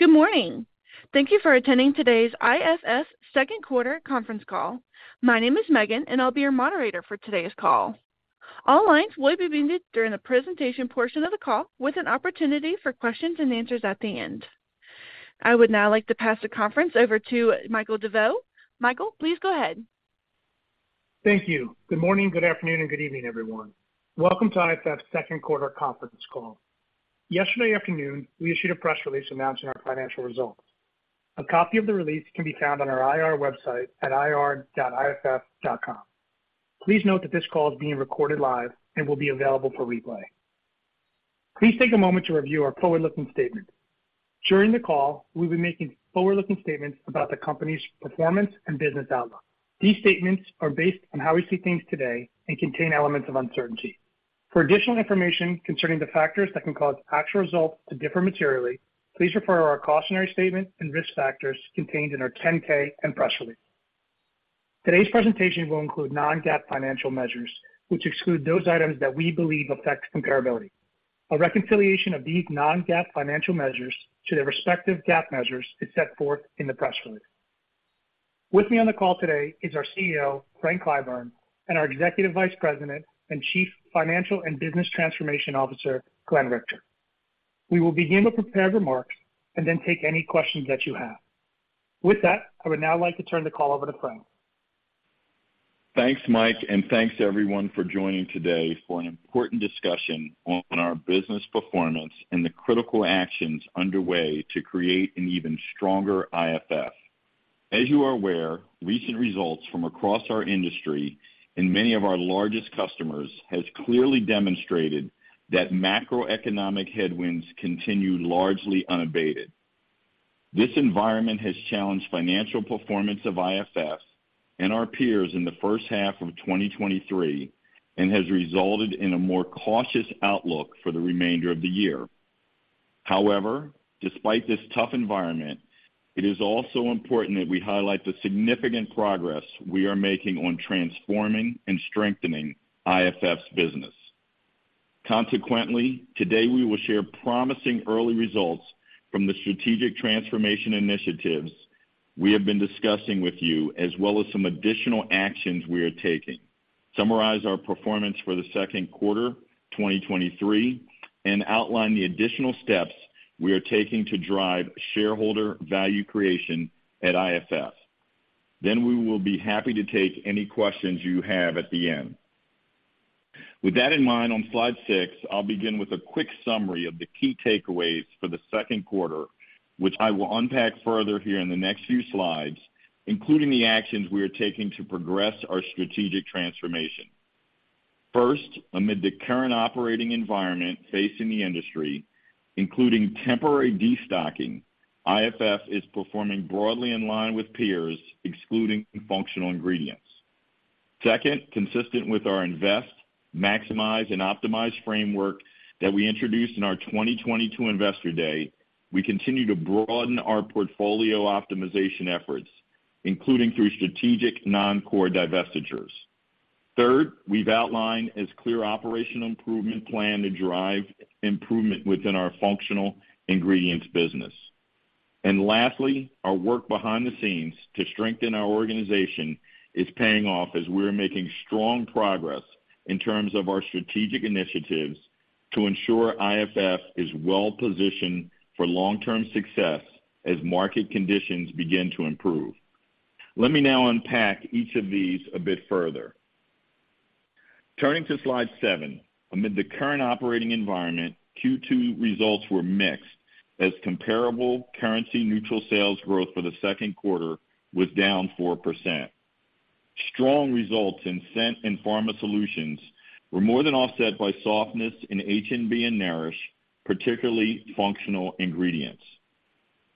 Good morning. Thank you for attending today's IFF second quarter conference call. My name is Megan, and I'll be your moderator for today's call. All lines will be muted during the presentation portion of the call, with an opportunity for questions and answers at the end. I would now like to pass the conference over to Michael DeVeau. Michael, please go ahead. Thank you. Good morning, good afternoon, and good evening, everyone. Welcome to IFF's second quarter conference call. Yesterday afternoon, we issued a press release announcing our financial results. A copy of the release can be found on our IR website at ir.iff.com. Please note that this call is being recorded live and will be available for replay. Please take a moment to review our forward-looking statement. During the call, we'll be making forward-looking statements about the company's performance and business outlook. These statements are based on how we see things today and contain elements of uncertainty. For additional information concerning the factors that can cause actual results to differ materially, please refer to our cautionary statement and risk factors contained in our 10-K and press release. Today's presentation will include non-GAAP financial measures, which exclude those items that we believe affect comparability. A reconciliation of these non-GAAP financial measures to their respective GAAP measures is set forth in the press release. With me on the call today is our CEO, Frank Clyburn, and our Executive Vice President and Chief Financial and Business Transformation Officer, Glenn Richter. We will begin with prepared remarks and then take any questions that you have. With that, I would now like to turn the call over to Frank. Thanks, Mike, thanks to everyone for joining today for an important discussion on our business performance and the critical actions underway to create an even stronger IFF. As you are aware, recent results from across our industry and many of our largest customers has clearly demonstrated that macroeconomic headwinds continue largely unabated. This environment has challenged financial performance of IFF and our peers in the first half of 2023 and has resulted in a more cautious outlook for the remainder of the year. However, despite this tough environment, it is also important that we highlight the significant progress we are making on transforming and strengthening IFF's business. Consequently, today we will share promising early results from the strategic transformation initiatives we have been discussing with you, as well as some additional actions we are taking, summarize our performance for the second quarter 2023, and outline the additional steps we are taking to drive shareholder value creation at IFF. We will be happy to take any questions you have at the end. With that in mind, on slide six, I'll begin with a quick summary of the key takeaways for the second quarter, which I will unpack further here in the next few slides, including the actions we are taking to progress our strategic transformation. First, amid the current operating environment facing the industry, including temporary destocking, IFF is performing broadly in line with peers, excluding Functional Ingredients. Second, consistent with our invest, maximize, and optimize framework that we introduced in our 2022 Investor Day, we continue to broaden our portfolio optimization efforts, including through strategic non-core divestitures. Third, we've outlined as clear operational improvement plan to drive improvement Functional Ingredients business. lastly, our work behind the scenes to strengthen our organization is paying off as we're making strong progress in terms of our strategic initiatives to ensure IFF is well positioned for long-term success as market conditions begin to improve. Let me now unpack each of these a bit further. Turning to slide seven. Amid the current operating environment, Q2 results were mixed as comparable currency neutral sales growth for the second quarter was down 4%. Strong results in scent and pharma solutions were more than offset by softness in H&B and nourish, particularly Functional Ingredients.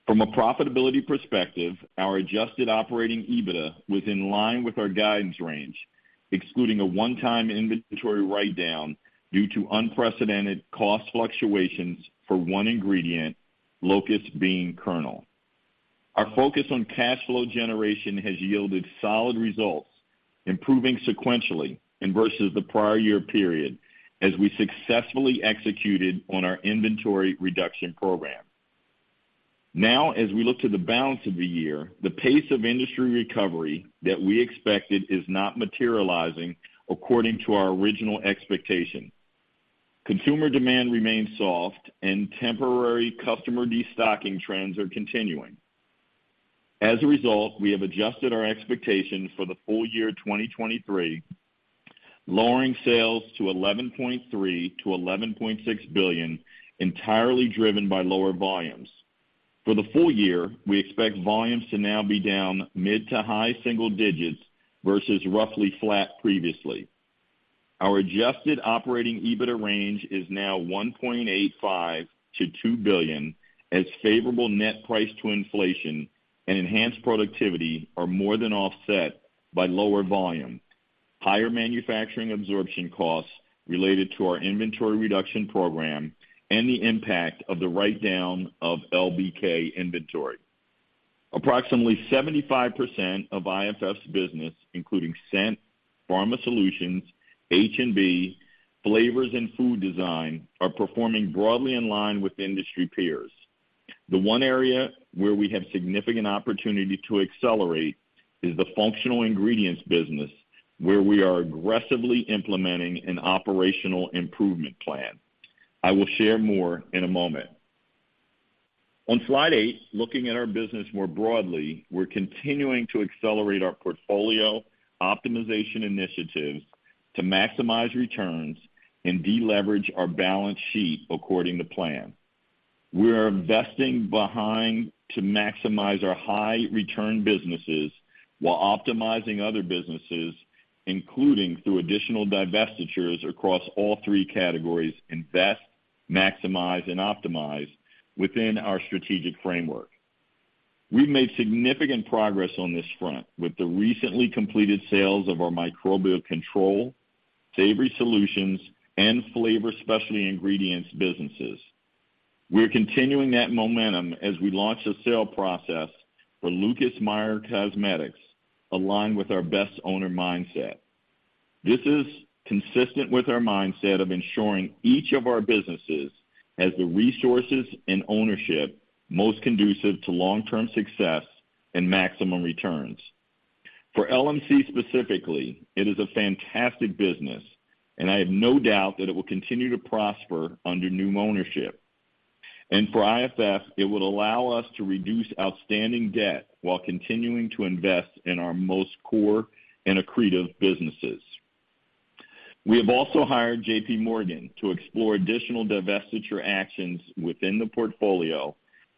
From a profitability perspective, our adjusted operating EBITDA was in line with our guidance range, excluding a one-time inventory write-down due to unprecedented cost fluctuations for one ingredient, locust bean kernel. Our focus on cash flow generation has yielded solid results, improving sequentially and versus the prior year period, as we successfully executed on our inventory reduction program. Now, as we look to the balance of the year, the pace of industry recovery that we expected is not materializing according to our original expectation. Consumer demand remains soft and temporary customer destocking trends are continuing. As a result, we have adjusted our expectations for the full year 2023, lowering sales to $11.3 billion-$11.6 billion, entirely driven by lower volumes. For the full year, we expect volumes to now be down mid to high single digits versus roughly flat previously. Our adjusted operating EBITDA range is now $1.85 billion-$2 billion, as favorable net price to inflation and enhanced productivity are more than offset by lower volume, higher manufacturing absorption costs related to our inventory reduction program, and the impact of the write-down of LBK inventory. Approximately 75% of IFF's business, including scent, pharma solutions, H&B, flavors and food design, are performing broadly in line with industry peers. The one area where we have significant opportunity to accelerate Functional Ingredients business, where we are aggressively implementing an operational improvement plan. I will share more in a moment. On slide eight, looking at our business more broadly, we're continuing to accelerate our portfolio optimization initiatives to maximize returns and deleverage our balance sheet according to plan. We are investing behind to maximize our high return businesses while optimizing other businesses, including through additional divestitures across all three categories, invest, maximize and optimize within our strategic framework. We've made significant progress on this front with the recently completed sales of our Microbial Control, Savory Solutions, and Flavor Specialty Ingredients businesses. We are continuing that momentum as we launch a sale process for Lucas Meyer Cosmetics, aligned with our best owner mindset. This is consistent with our mindset of ensuring each of our businesses has the resources and ownership most conducive to long-term success and maximum returns. For LMC specifically, it is a fantastic business, and I have no doubt that it will continue to prosper under new ownership. For IFF, it would allow us to reduce outstanding debt while continuing to invest in our most core and accretive businesses. We have also hired J.P. Morgan to explore additional divestiture actions within the portfolio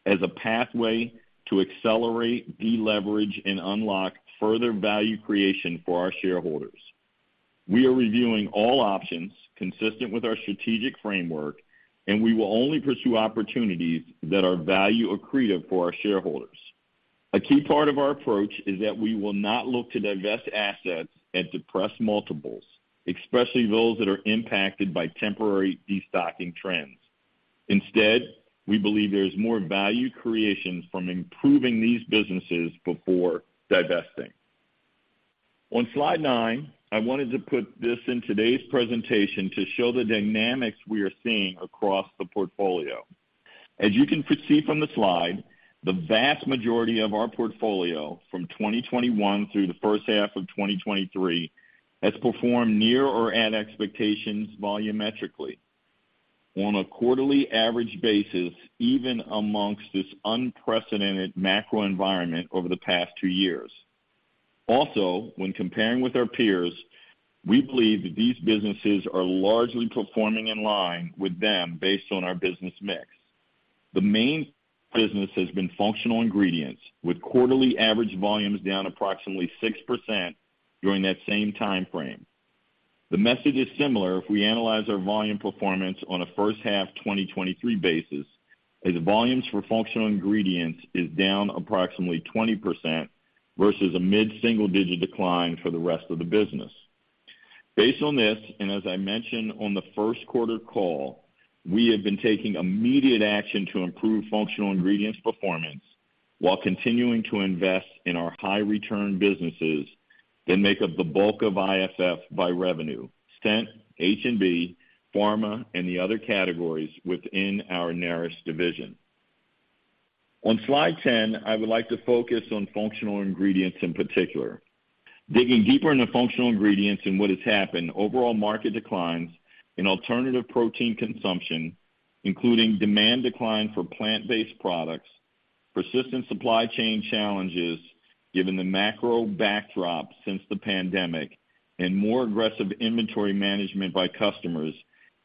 as a pathway to accelerate, deleverage, and unlock further value creation for our shareholders. We are reviewing all options consistent with our strategic framework, and we will only pursue opportunities that are value accretive for our shareholders. A key part of our approach is that we will not look to divest assets at depressed multiples, especially those that are impacted by temporary destocking trends. Instead, we believe there is more value creation from improving these businesses before divesting. On slide nine, I wanted to put this in today's presentation to show the dynamics we are seeing across the portfolio. As you can see from the slide, the vast majority of our portfolio from 2021 through the first half of 2023, has performed near or at expectations volumetrically on a quarterly average basis, even amongst this unprecedented macro environment over the past two years. Also, when comparing with our peers, we believe that these businesses are largely performing in line with them based on our business mix. The main business Functional Ingredients, with quarterly average volumes down approximately 6% during that same time frame. The message is similar if we analyze our volume performance on a first half 2023 basis, as Functional Ingredients is down approximately 20% versus a mid-single-digit decline for the rest of the business. Based on this, as I mentioned on the first quarter call, we have been taking immediate action Functional Ingredients performance while continuing to invest in our high return businesses that make up the bulk of IFF by revenue, scent, H&B, pharma, and the other categories within our Nourish division. On slide 10, I would like to Functional Ingredients in particular. Digging Functional Ingredients and what has happened, overall market declines in alternative protein consumption, including demand decline for plant-based products, persistent supply chain challenges, given the macro backdrop since the pandemic, and more aggressive inventory management by customers,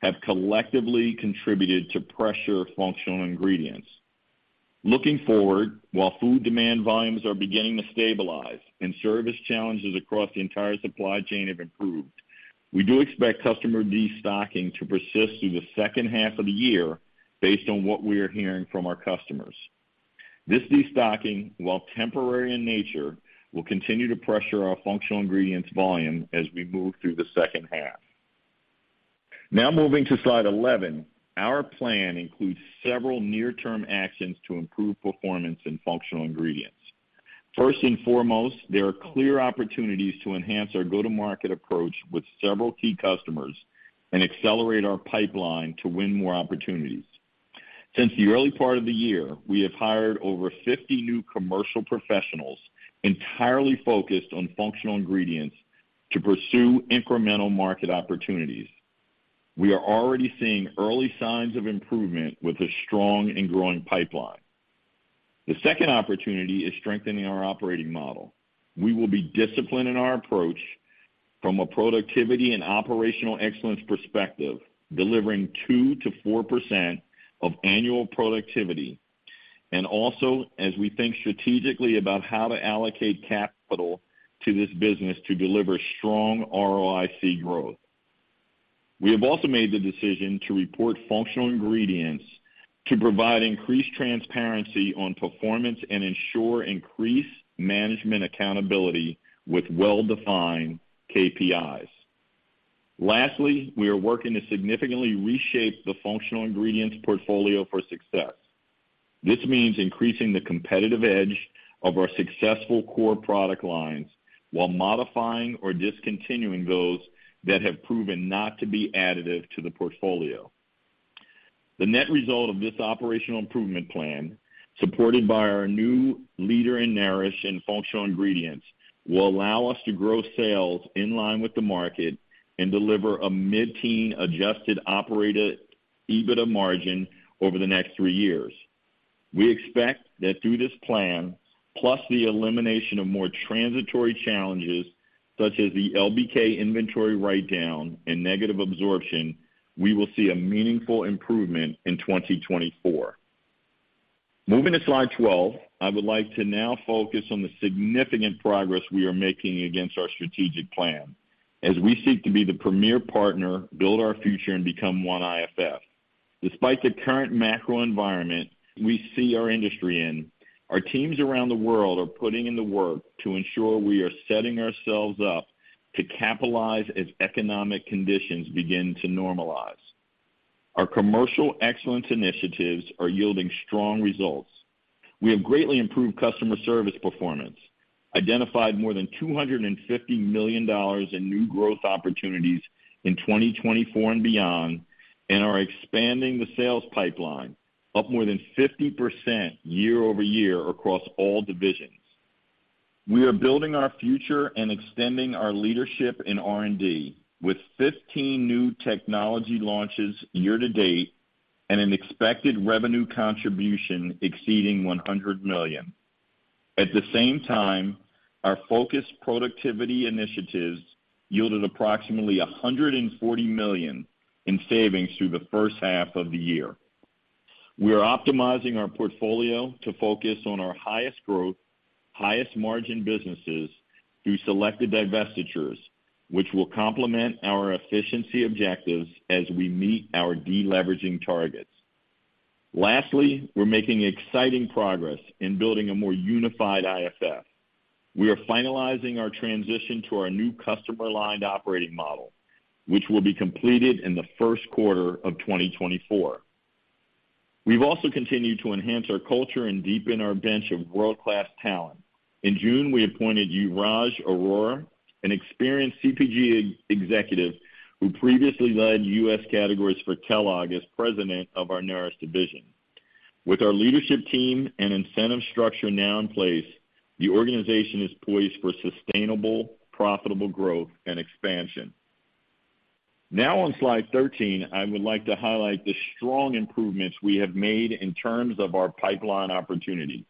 have collectively contributed to pressure Functional Ingredients. Looking forward, while food demand volumes are beginning to stabilize and service challenges across the entire supply chain have improved, we do expect customer destocking to persist through the second half of the year based on what we are hearing from our customers. This destocking, while temporary in nature, will continue to Functional Ingredients volume as we move through the second half. Now, moving to slide 11, our plan includes several near-term actions to improve Functional Ingredients. first and foremost, there are clear opportunities to enhance our go-to-market approach with several key customers and accelerate our pipeline to win more opportunities. Since the early part of the year, we have hired over 50 new commercial professionals entirely Functional Ingredients to pursue incremental market opportunities. We are already seeing early signs of improvement with a strong and growing pipeline. The second opportunity is strengthening our operating model. We will be disciplined in our approach from a productivity and operational excellence perspective, delivering 2%-4% of annual productivity, and also as we think strategically about how to allocate capital to this business to deliver strong ROIC growth. We have also made the decision Functional Ingredients to provide increased transparency on performance and ensure increased management accountability with well-defined KPIs. Lastly, we are working to significantly Functional Ingredients portfolio for success. This means increasing the competitive edge of our successful core product lines while modifying or discontinuing those that have proven not to be additive to the portfolio. The net result of this operational improvement plan, supported by our new leader in Functional Ingredients, will allow us to grow sales in line with the market and deliver a mid-teen adjusted operator EBITDA margin over the next three years. We expect that through this plan, plus the elimination of more transitory challenges, such as the LBK inventory write-down and negative absorption, we will see a meaningful improvement in 2024. Moving to slide 12, I would like to now focus on the significant progress we are making against our strategic plan as we seek to be the premier partner, build our future, and become OneIFF. Despite the current macro environment we see our industry in, our teams around the world are putting in the work to ensure we are setting ourselves up to capitalize as economic conditions begin to normalize. Our commercial excellence initiatives are yielding strong results. We have greatly improved customer service performance, identified more than $250 million in new growth opportunities in 2024 and beyond, and are expanding the sales pipeline up more than 50% year-over-year across all divisions. We are building our future and extending our leadership in R&D with 15 new technology launches year to date and an expected revenue contribution exceeding $100 million. At the same time, our focused productivity initiatives yielded approximately $140 million in savings through the first half of the year. We are optimizing our portfolio to focus on our highest growth, highest margin businesses through selected divestitures, which will complement our efficiency objectives as we meet our deleveraging targets. Lastly, we're making exciting progress in building a more unified IFF. We are finalizing our transition to our new customer-aligned operating model, which will be completed in the first quarter of 2024. We've also continued to enhance our culture and deepen our bench of world-class talent. In June, we appointed Yuvraj Arora, an experienced CPG ex-executive, who previously led U.S. categories for Kellogg, as President of our Nourish division. With our leadership team and incentive structure now in place, the organization is poised for sustainable, profitable growth and expansion. On slide 13, I would like to highlight the strong improvements we have made in terms of our pipeline opportunity.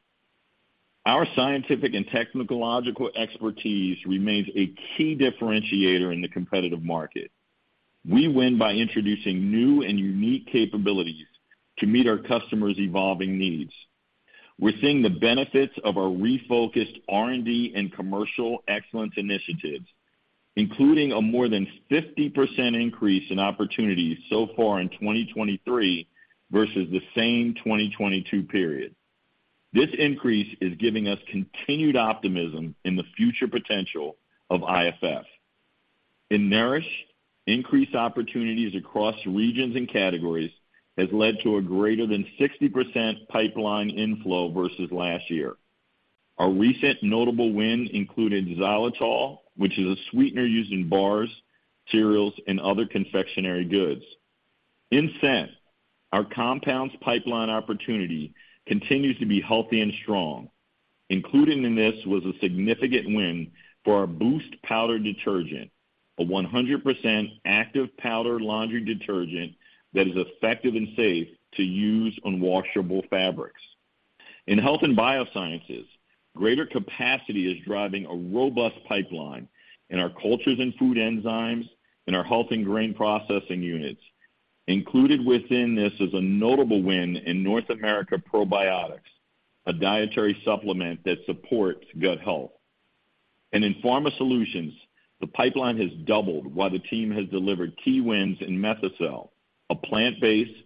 Our scientific and technological expertise remains a key differentiator in the competitive market. We win by introducing new and unique capabilities to meet our customers' evolving needs. We're seeing the benefits of our refocused R&D and commercial excellence initiatives, including a more than 50% increase in opportunities so far in 2023 versus the same 2022 period. This increase is giving us continued optimism in the future potential of IFF. In Nourish, increased opportunities across regions and categories has led to a greater than 60% pipeline inflow versus last year. Our recent notable win included Xylitol, which is a sweetener used in bars, cereals, and other confectionery goods. In scent, our compounds pipeline opportunity continues to be healthy and strong. Included in this was a significant win for our Boost Powder Detergent, a 100% active powder laundry detergent that is effective and safe to use on washable fabrics. In Health and Biosciences, greater capacity is driving a robust pipeline in our cultures and food enzymes, in our health and grain processing units. Included within this is a notable win in North America probiotics, a dietary supplement that supports gut health. In pharma solutions, the pipeline has doubled while the team has delivered key wins in METHOCEL, a plant-based,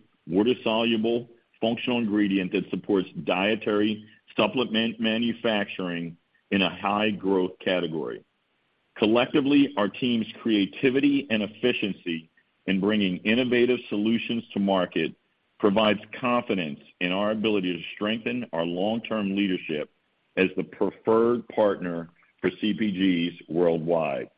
Functional Ingredients that supports dietary supplement manufacturing in a high-growth category. Collectively, our team's creativity and efficiency in bringing innovative solutions to market provides confidence in our ability to strengthen our long-term leadership as the preferred partner for CPGs worldwide.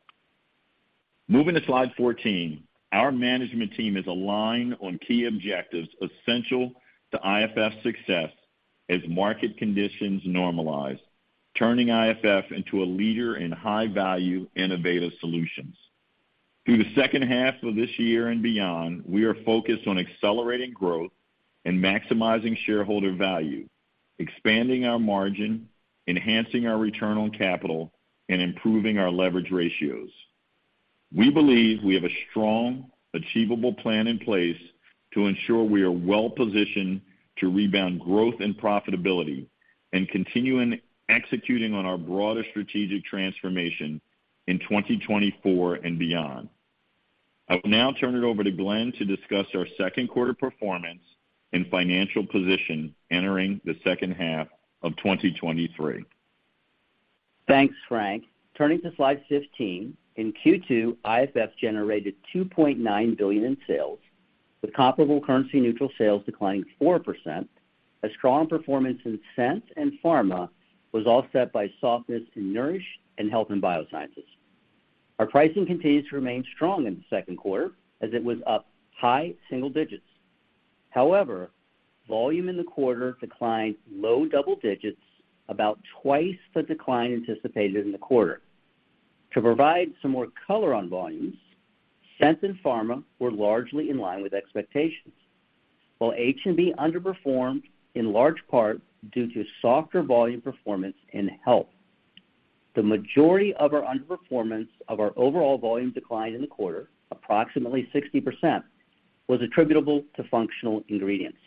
Moving to slide 14, our management team is aligned on key objectives essential to IFF's success as market conditions normalize, turning IFF into a leader in high-value, innovative solutions. Through the second half of this year and beyond, we are focused on accelerating growth and maximizing shareholder value, expanding our margin, enhancing our return on capital, and improving our leverage ratios. We believe we have a strong, achievable plan in place to ensure we are well positioned to rebound growth and profitability and continuing executing on our broader strategic transformation in 2024 and beyond. I will now turn it over to Glenn to discuss our second quarter performance and financial position entering the second half of 2023. Thanks, Frank. Turning to slide 15, in Q2, IFF generated $2.9 billion in sales, with comparable currency neutral sales declining 4%. A strong performance in scent and pharma was offset by softness in Nourish and Health and Biosciences. Our pricing continues to remain strong in the second quarter, as it was up high single digits. Volume in the quarter declined low double digits, about twice the decline anticipated in the quarter. To provide some more color on volumes, scent and pharma were largely in line with expectations, while H&B underperformed in large part due to softer volume performance in health. The majority of our underperformance of our overall volume decline in the quarter, approximately 60%, was Functional Ingredients.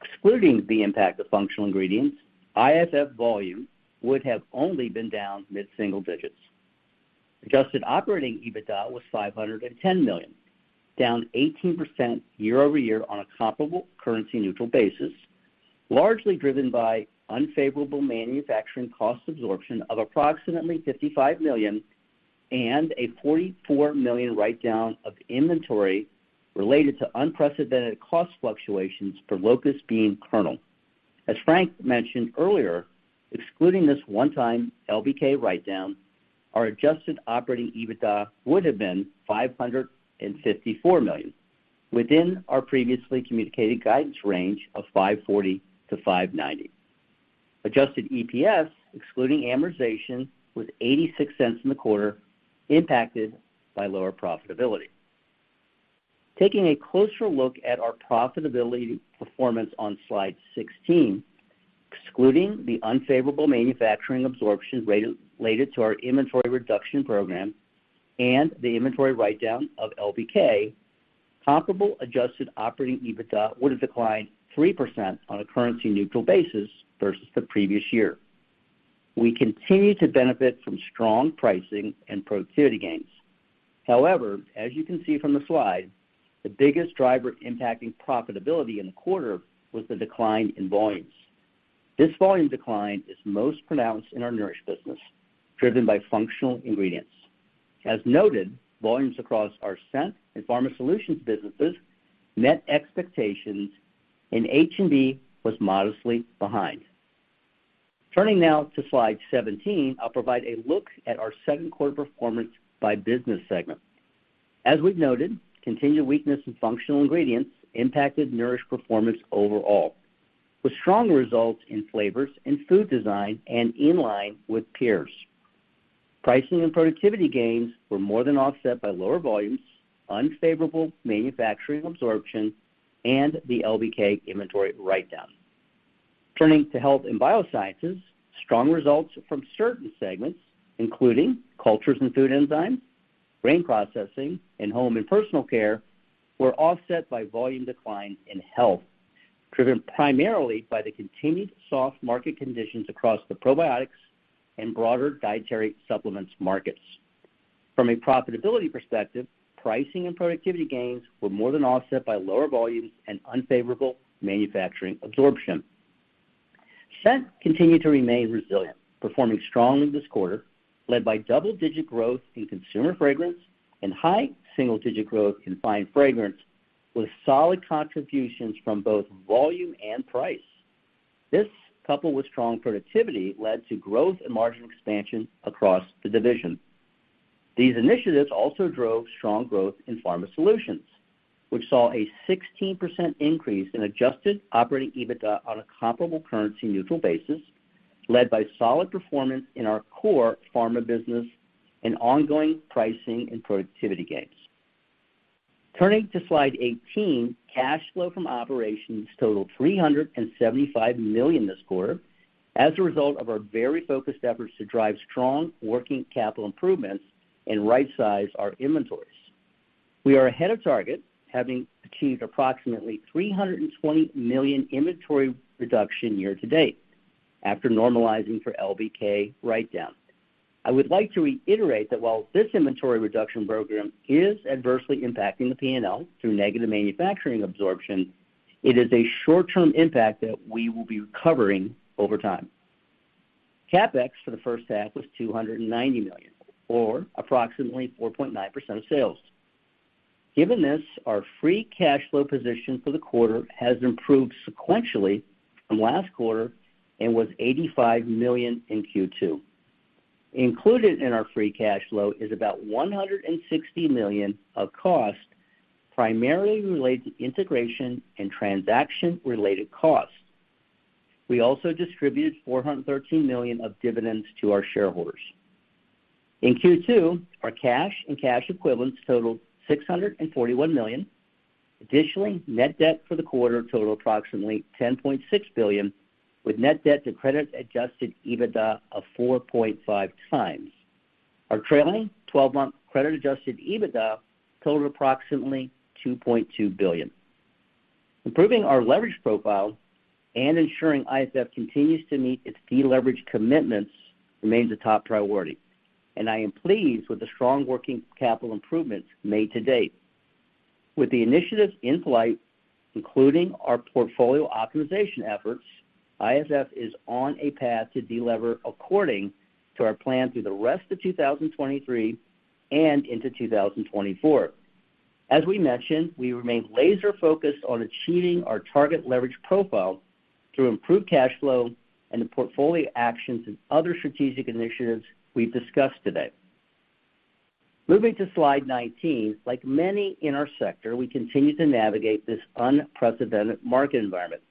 excluding the Functional Ingredients, iff volume would have only been down mid-single digits. Adjusted operating EBITDA was $510 million, down 18% year-over-year on a comparable currency neutral basis, largely driven by unfavorable manufacturing cost absorption of approximately $55 million and a $44 million write-down of inventory related to unprecedented cost fluctuations for locust bean kernel. As Frank mentioned earlier, excluding this one-time LBK write-down, our adjusted operating EBITDA would have been $554 million, within our previously communicated guidance range of $540-$590. Adjusted EPS, excluding amortization, was $0.86 in the quarter, impacted by lower profitability. Taking a closer look at our profitability performance on slide 16, excluding the unfavorable manufacturing absorption related to our inventory reduction program and the inventory write-down of LBK, comparable adjusted operating EBITDA would have declined 3% on a currency neutral basis versus the previous year. We continue to benefit from strong pricing and productivity gains. However, as you can see from the slide, the biggest driver impacting profitability in the quarter was the decline in volumes. This volume decline is most pronounced in our Nourish business, Functional Ingredients. as noted, volumes across our scent and pharma solutions businesses met expectations, and H&B was modestly behind. Turning now to slide 17, I'll provide a look at our second quarter performance by business segment. As we've noted, continued Functional Ingredients impacted nourish performance overall, with strong results in flavors and food design and in line with peers. Pricing and productivity gains were more than offset by lower volumes, unfavorable manufacturing absorption, and the LBK inventory write-down. Turning to Health and Biosciences, strong results from certain segments, including cultures and food enzymes, grain processing, and home and personal care, were offset by volume decline in health, driven primarily by the continued soft market conditions across the probiotics and broader dietary supplements markets. From a profitability perspective, pricing and productivity gains were more than offset by lower volumes and unfavorable manufacturing absorption. Scent continued to remain resilient, performing strongly this quarter, led by double-digit growth in consumer fragrance and high single-digit growth in fine fragrance, with solid contributions from both volume and price. This, coupled with strong productivity, led to growth and margin expansion across the division. These initiatives also drove strong growth in pharma solutions, which saw a 16% increase in adjusted operating EBITDA on a comparable currency neutral basis, led by solid performance in our core pharma business and ongoing pricing and productivity gains. Turning to slide 18, cash flow from operations totaled $375 million this quarter as a result of our very focused efforts to drive strong working capital improvements and rightsize our inventories. We are ahead of target, having achieved approximately $320 million inventory reduction year to date after normalizing for LBK write-down. I would like to reiterate that while this inventory reduction program is adversely impacting the P&L through negative manufacturing absorption, it is a short-term impact that we will be recovering over time. CapEx for the first half was $290 million, or approximately 4.9% of sales. Given this, our free cash flow position for the quarter has improved sequentially from last quarter and was $85 million in Q2. Included in our free cash flow is about $160 million of cost, primarily related to integration and transaction-related costs. We also distributed $413 million of dividends to our shareholders. In Q2, our cash and cash equivalents totaled $641 million. Net debt for the quarter totaled approximately $10.6 billion, with net debt to credit adjusted EBITDA of 4.5x. Our trailing 12-month credit adjusted EBITDA totaled approximately $2.2 billion. Improving our leverage profile and ensuring IFF continues to meet its deleverage commitments remains a top priority, and I am pleased with the strong working capital improvements made to date. With the initiatives in flight, including our portfolio optimization efforts, IFF is on a path to delever according to our plan through the rest of 2023 and into 2024. As we mentioned, we remain laser focused on achieving our target leverage profile through improved cash flow and the portfolio actions and other strategic initiatives we've discussed today. Moving to slide 19, like many in our sector, we continue to navigate this unprecedented market environment.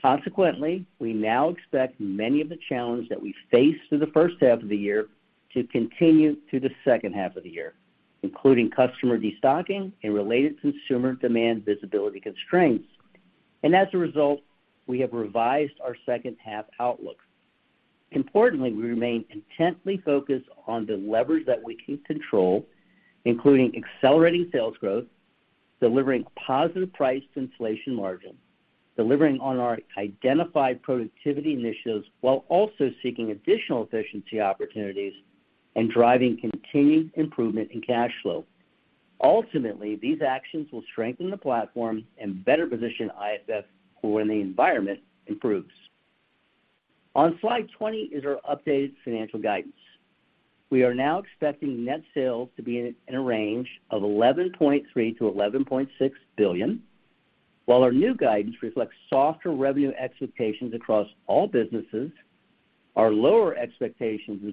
Consequently, we now expect many of the challenges that we faced through the first half of the year to continue through the second half of the year, including customer destocking and related consumer demand visibility constraints. As a result, we have revised our second half outlook. Importantly, we remain intently focused on the levers that we can control, including accelerating sales growth, delivering positive price inflation margin, delivering on our identified productivity initiatives, while also seeking additional efficiency opportunities and driving continued improvement in cash flow. Ultimately, these actions will strengthen the platform and better position IFF for when the environment improves. On slide 20 is our updated financial guidance. We are now expecting net sales to be in a range of $11.3 billion-$11.6 billion. While our new guidance reflects softer revenue expectations across all businesses, our lower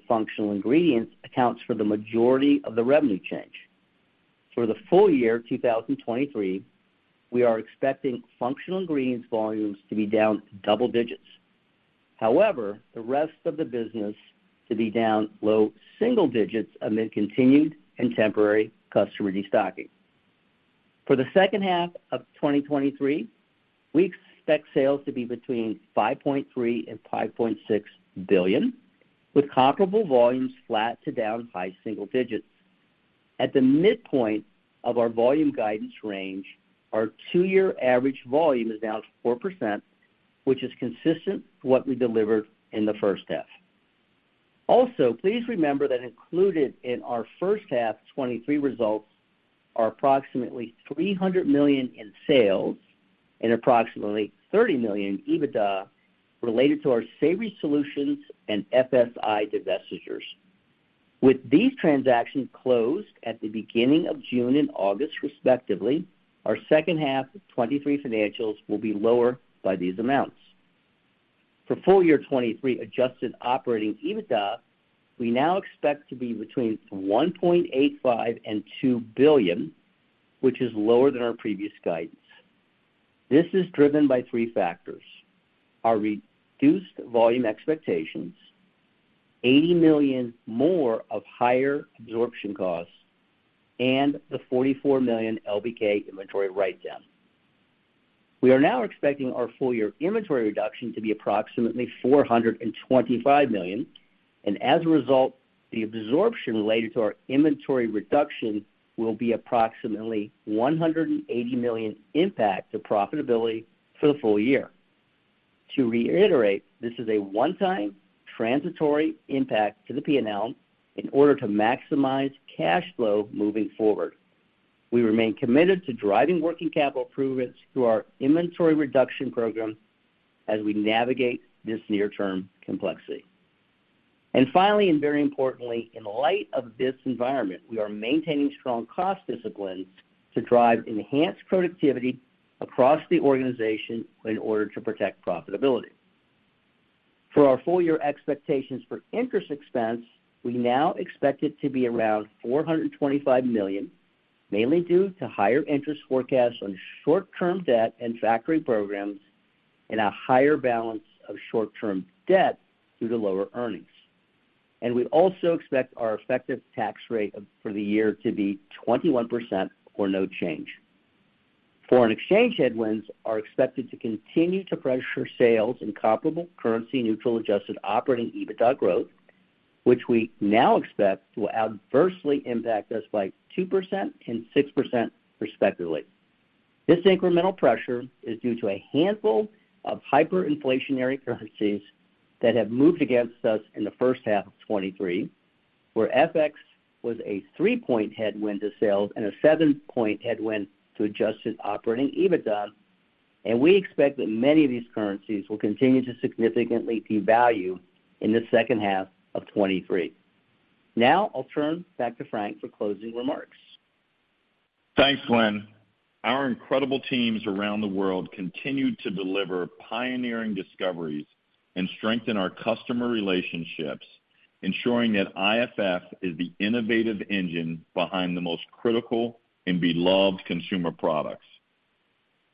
Functional Ingredients accounts for the majority of the revenue change. For the full year 2023, we Functional Ingredients volumes to be down double digits. The rest of the business to be down low single digits amid continued and temporary customer destocking. For the second half of 2023, we expect sales to be between $5.3 billion and $5.6 billion, with comparable volumes flat to down high single digits. At the midpoint of our volume guidance range, our two-year average volume is down 4%, which is consistent with what we delivered in the first half. Please remember that included in our first half 2023 results are approximately $300 million in sales and approximately $30 million EBITDA related to our Savory Solutions and FSI divestitures. With these transactions closed at the beginning of June and August, respectively, our second half of 2023 financials will be lower by these amounts. For full year 2023 adjusted operating EBITDA, we now expect to be between $1.85 billion and $2 billion, which is lower than our previous guidance. This is driven by three factors: our reduced volume expectations, $80 million more of higher absorption costs, and the $44 million LBK inventory write-down. We are now expecting our full year inventory reduction to be approximately $425 million, and as a result, the absorption related to our inventory reduction will be approximately $180 million impact to profitability for the full year. To reiterate, this is a one-time transitory impact to the P&L in order to maximize cash flow moving forward. We remain committed to driving working capital improvements through our inventory reduction program as we navigate this near-term complexity. Finally, and very importantly, in light of this environment, we are maintaining strong cost discipline to drive enhanced productivity across the organization in order to protect profitability. For our full year expectations for interest expense, we now expect it to be around $425 million, mainly due to higher interest forecasts on short-term debt and factory programs and a higher balance of short-term debt due to lower earnings. We also expect our effective tax rate for the year to be 21%, or no change. Foreign exchange headwinds are expected to continue to pressure sales and comparable currency neutral adjusted operating EBITDA growth, which we now expect will adversely impact us by 2% and 6% respectively. This incremental pressure is due to a handful of hyperinflationary currencies that have moved against us in the first half of 2023, where FX was a 3-point headwind to sales and a 7-point headwind to adjusted operating EBITDA, and we expect that many of these currencies will continue to significantly devalue in the second half of 2023. I'll turn back to Frank for closing remarks. Thanks, Glenn. Our incredible teams around the world continued to deliver pioneering discoveries and strengthen our customer relationships, ensuring that IFF is the innovative engine behind the most critical and beloved consumer products.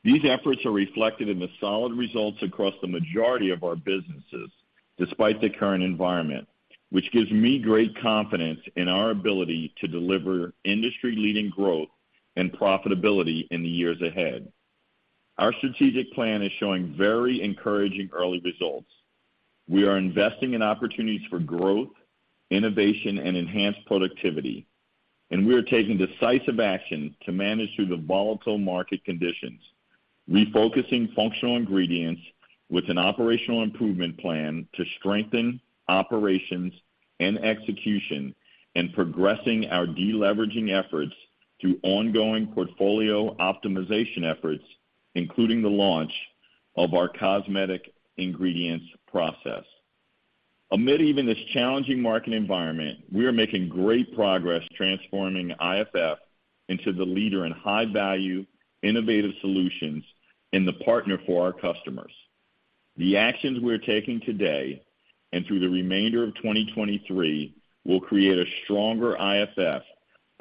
These efforts are reflected in the solid results across the majority of our businesses, despite the current environment, which gives me great confidence in our ability to deliver industry-leading growth and profitability in the years ahead. Our strategic plan is showing very encouraging early results. We are investing in opportunities for growth, innovation, and enhanced productivity, and we are taking decisive action to manage through the volatile market Functional Ingredients with an operational improvement plan to strengthen operations and execution, and progressing our deleveraging efforts through ongoing portfolio optimization efforts, including the launch of our cosmetic ingredients process. Amid even this challenging market environment, we are making great progress transforming IFF into the leader in high-value, innovative solutions and the partner for our customers. The actions we're taking today, and through the remainder of 2023, will create a stronger IFF,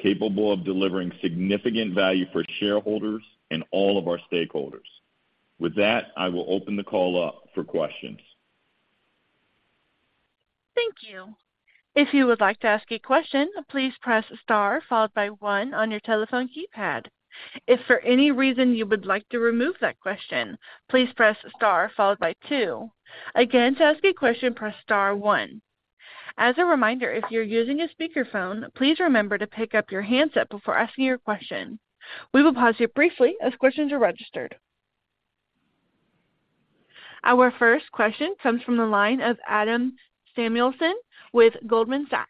capable of delivering significant value for shareholders and all of our stakeholders. With that, I will open the call up for questions. Thank you. If you would like to ask a question, please press star, followed by one on your telephone keypad. If for any reason you would like to remove that question, please press star, followed by two. Again, to ask a question, press star one. As a reminder, if you're using a speakerphone, please remember to pick up your handset before asking your question. We will pause here briefly as questions are registered. Our first question comes from the line of Adam Samuelson with Goldman Sachs.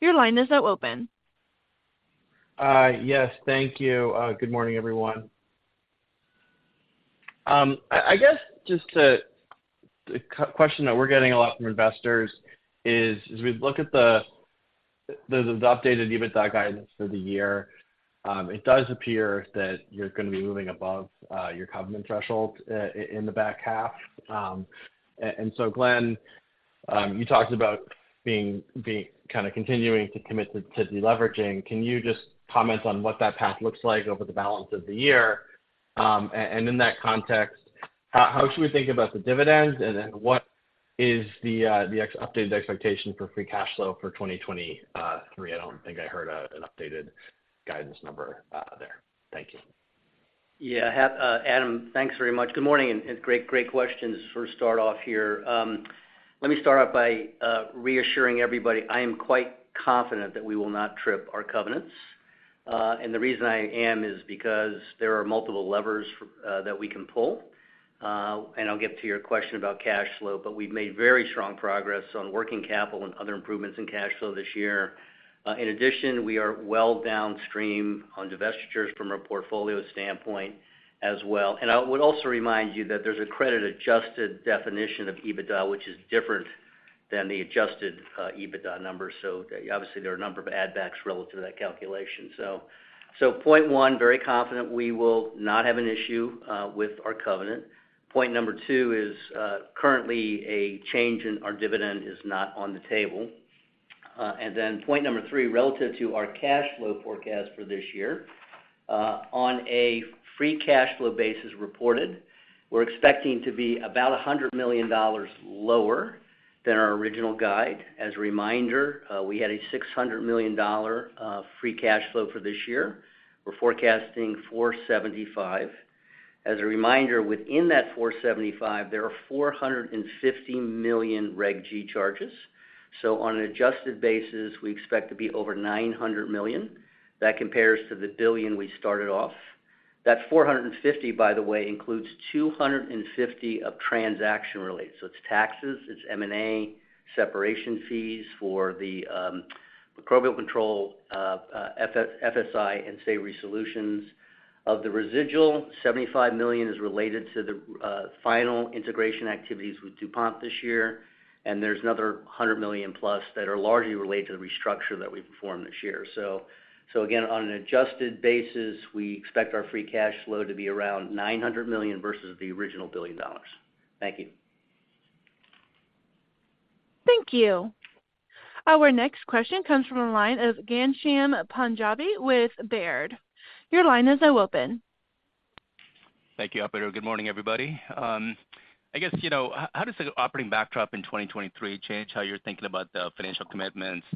Your line is now open. Yes, thank you. Good morning, everyone. I, I guess just to, the question that we're getting a lot from investors is, as we look at the updated EBITDA guidance for the year, it does appear that you're gonna be moving above your covenant threshold in the back half. So Glenn, you talked about being kind of continuing to commit to deleveraging. Can you just comment on what that path looks like over the balance of the year? In that context, how should we think about the dividends, and then what is the updated expectation for free cash flow for 2023? I don't think I heard an updated guidance number there. Thank you. Yeah, Adam, thanks very much. Good morning, and, and great, great questions for start off here. Let me start off by reassuring everybody, I am quite confident that we will not trip our covenants. The reason I am is because there are multiple levers that we can pull. I'll get to your question about cash flow, but we've made very strong progress on working capital and other improvements in cash flow this year. In addition, we are well downstream on divestitures from a portfolio standpoint as well. I would also remind you that there's a credit-adjusted definition of EBITDA, which is different than the adjusted EBITDA numbers. Obviously, there are a number of add-backs relative to that calculation. Point one, very confident we will not have an issue with our covenant. Point number two is, currently a change in our dividend is not on the table. Point number three, relative to our cash flow forecast for this year, on a free cash flow basis reported, we're expecting to be about $100 million lower than our original guide. As a reminder, we had a $600 million free cash flow for this year. We're forecasting $475 million. As a reminder, within that $475 million, there are $450 million Reg G charges. On an adjusted basis, we expect to be over $900 million. That compares to the $1 billion we started off. That $450 million, by the way, includes $250 million of transaction-related. It's taxes, it's M&A, separation fees for the Microbial Control, FSI and Savory Solutions. Of the residual, $75 million is related to the final integration activities with DuPont this year, and there's another $100 million+ that are largely related to the restructure that we performed this year. Again, on an adjusted basis, we expect our free cash flow to be around $900 million versus the original $1 billion. Thank you. Thank you. Our next question comes from the line of Ghansham Panjabi with Baird. Your line is now open. Thank you, operator. Good morning, everybody. I guess, you know, how does the operating backdrop in 2023 change how you're thinking about the financial commitments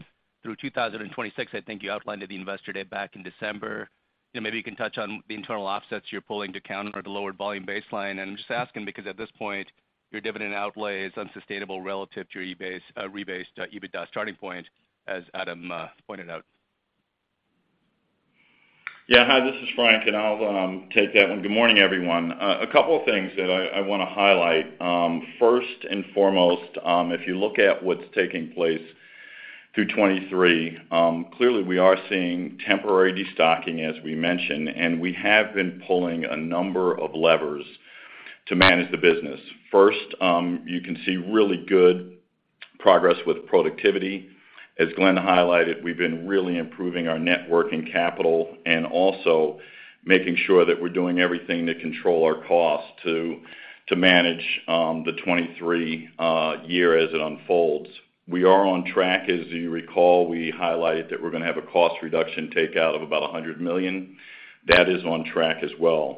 through 2026? I think you outlined at the Investor Day back in December. You know, maybe you can touch on the internal offsets you're pulling to counter the lower volume baseline. I'm just asking because at this point, your dividend outlay is unsustainable relative to your rebased, rebased EBITDA starting point, as Adam pointed out. Yeah. Hi, this is Frank, and I'll take that one. Good morning, everyone. A couple of things that I, I wanna highlight. First and foremost, if you look at what's taking place through 2023, clearly, we are seeing temporary destocking, as we mentioned, and we have been pulling a number of levers to manage the business. First, you can see really good progress with productivity. As Glenn highlighted, we've been really improving our net working capital and also making sure that we're doing everything to control our costs to, to manage the 2023 year as it unfolds. We are on track. As you recall, we highlighted that we're gonna have a cost reduction takeout of about $100 million. That is on track as well.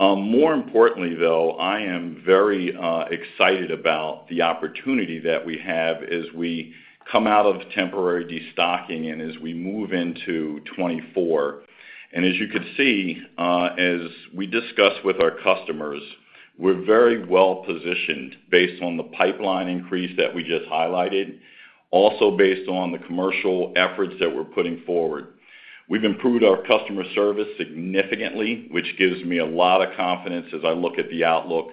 More importantly, though, I am very excited about the opportunity that we have as we come out of temporary destocking and as we move into 2024. As you can see, as we discuss with our customers. We're very well positioned based on the pipeline increase that we just highlighted, also based on the commercial efforts that we're putting forward. We've improved our customer service significantly, which gives me a lot of confidence as I look at the outlook,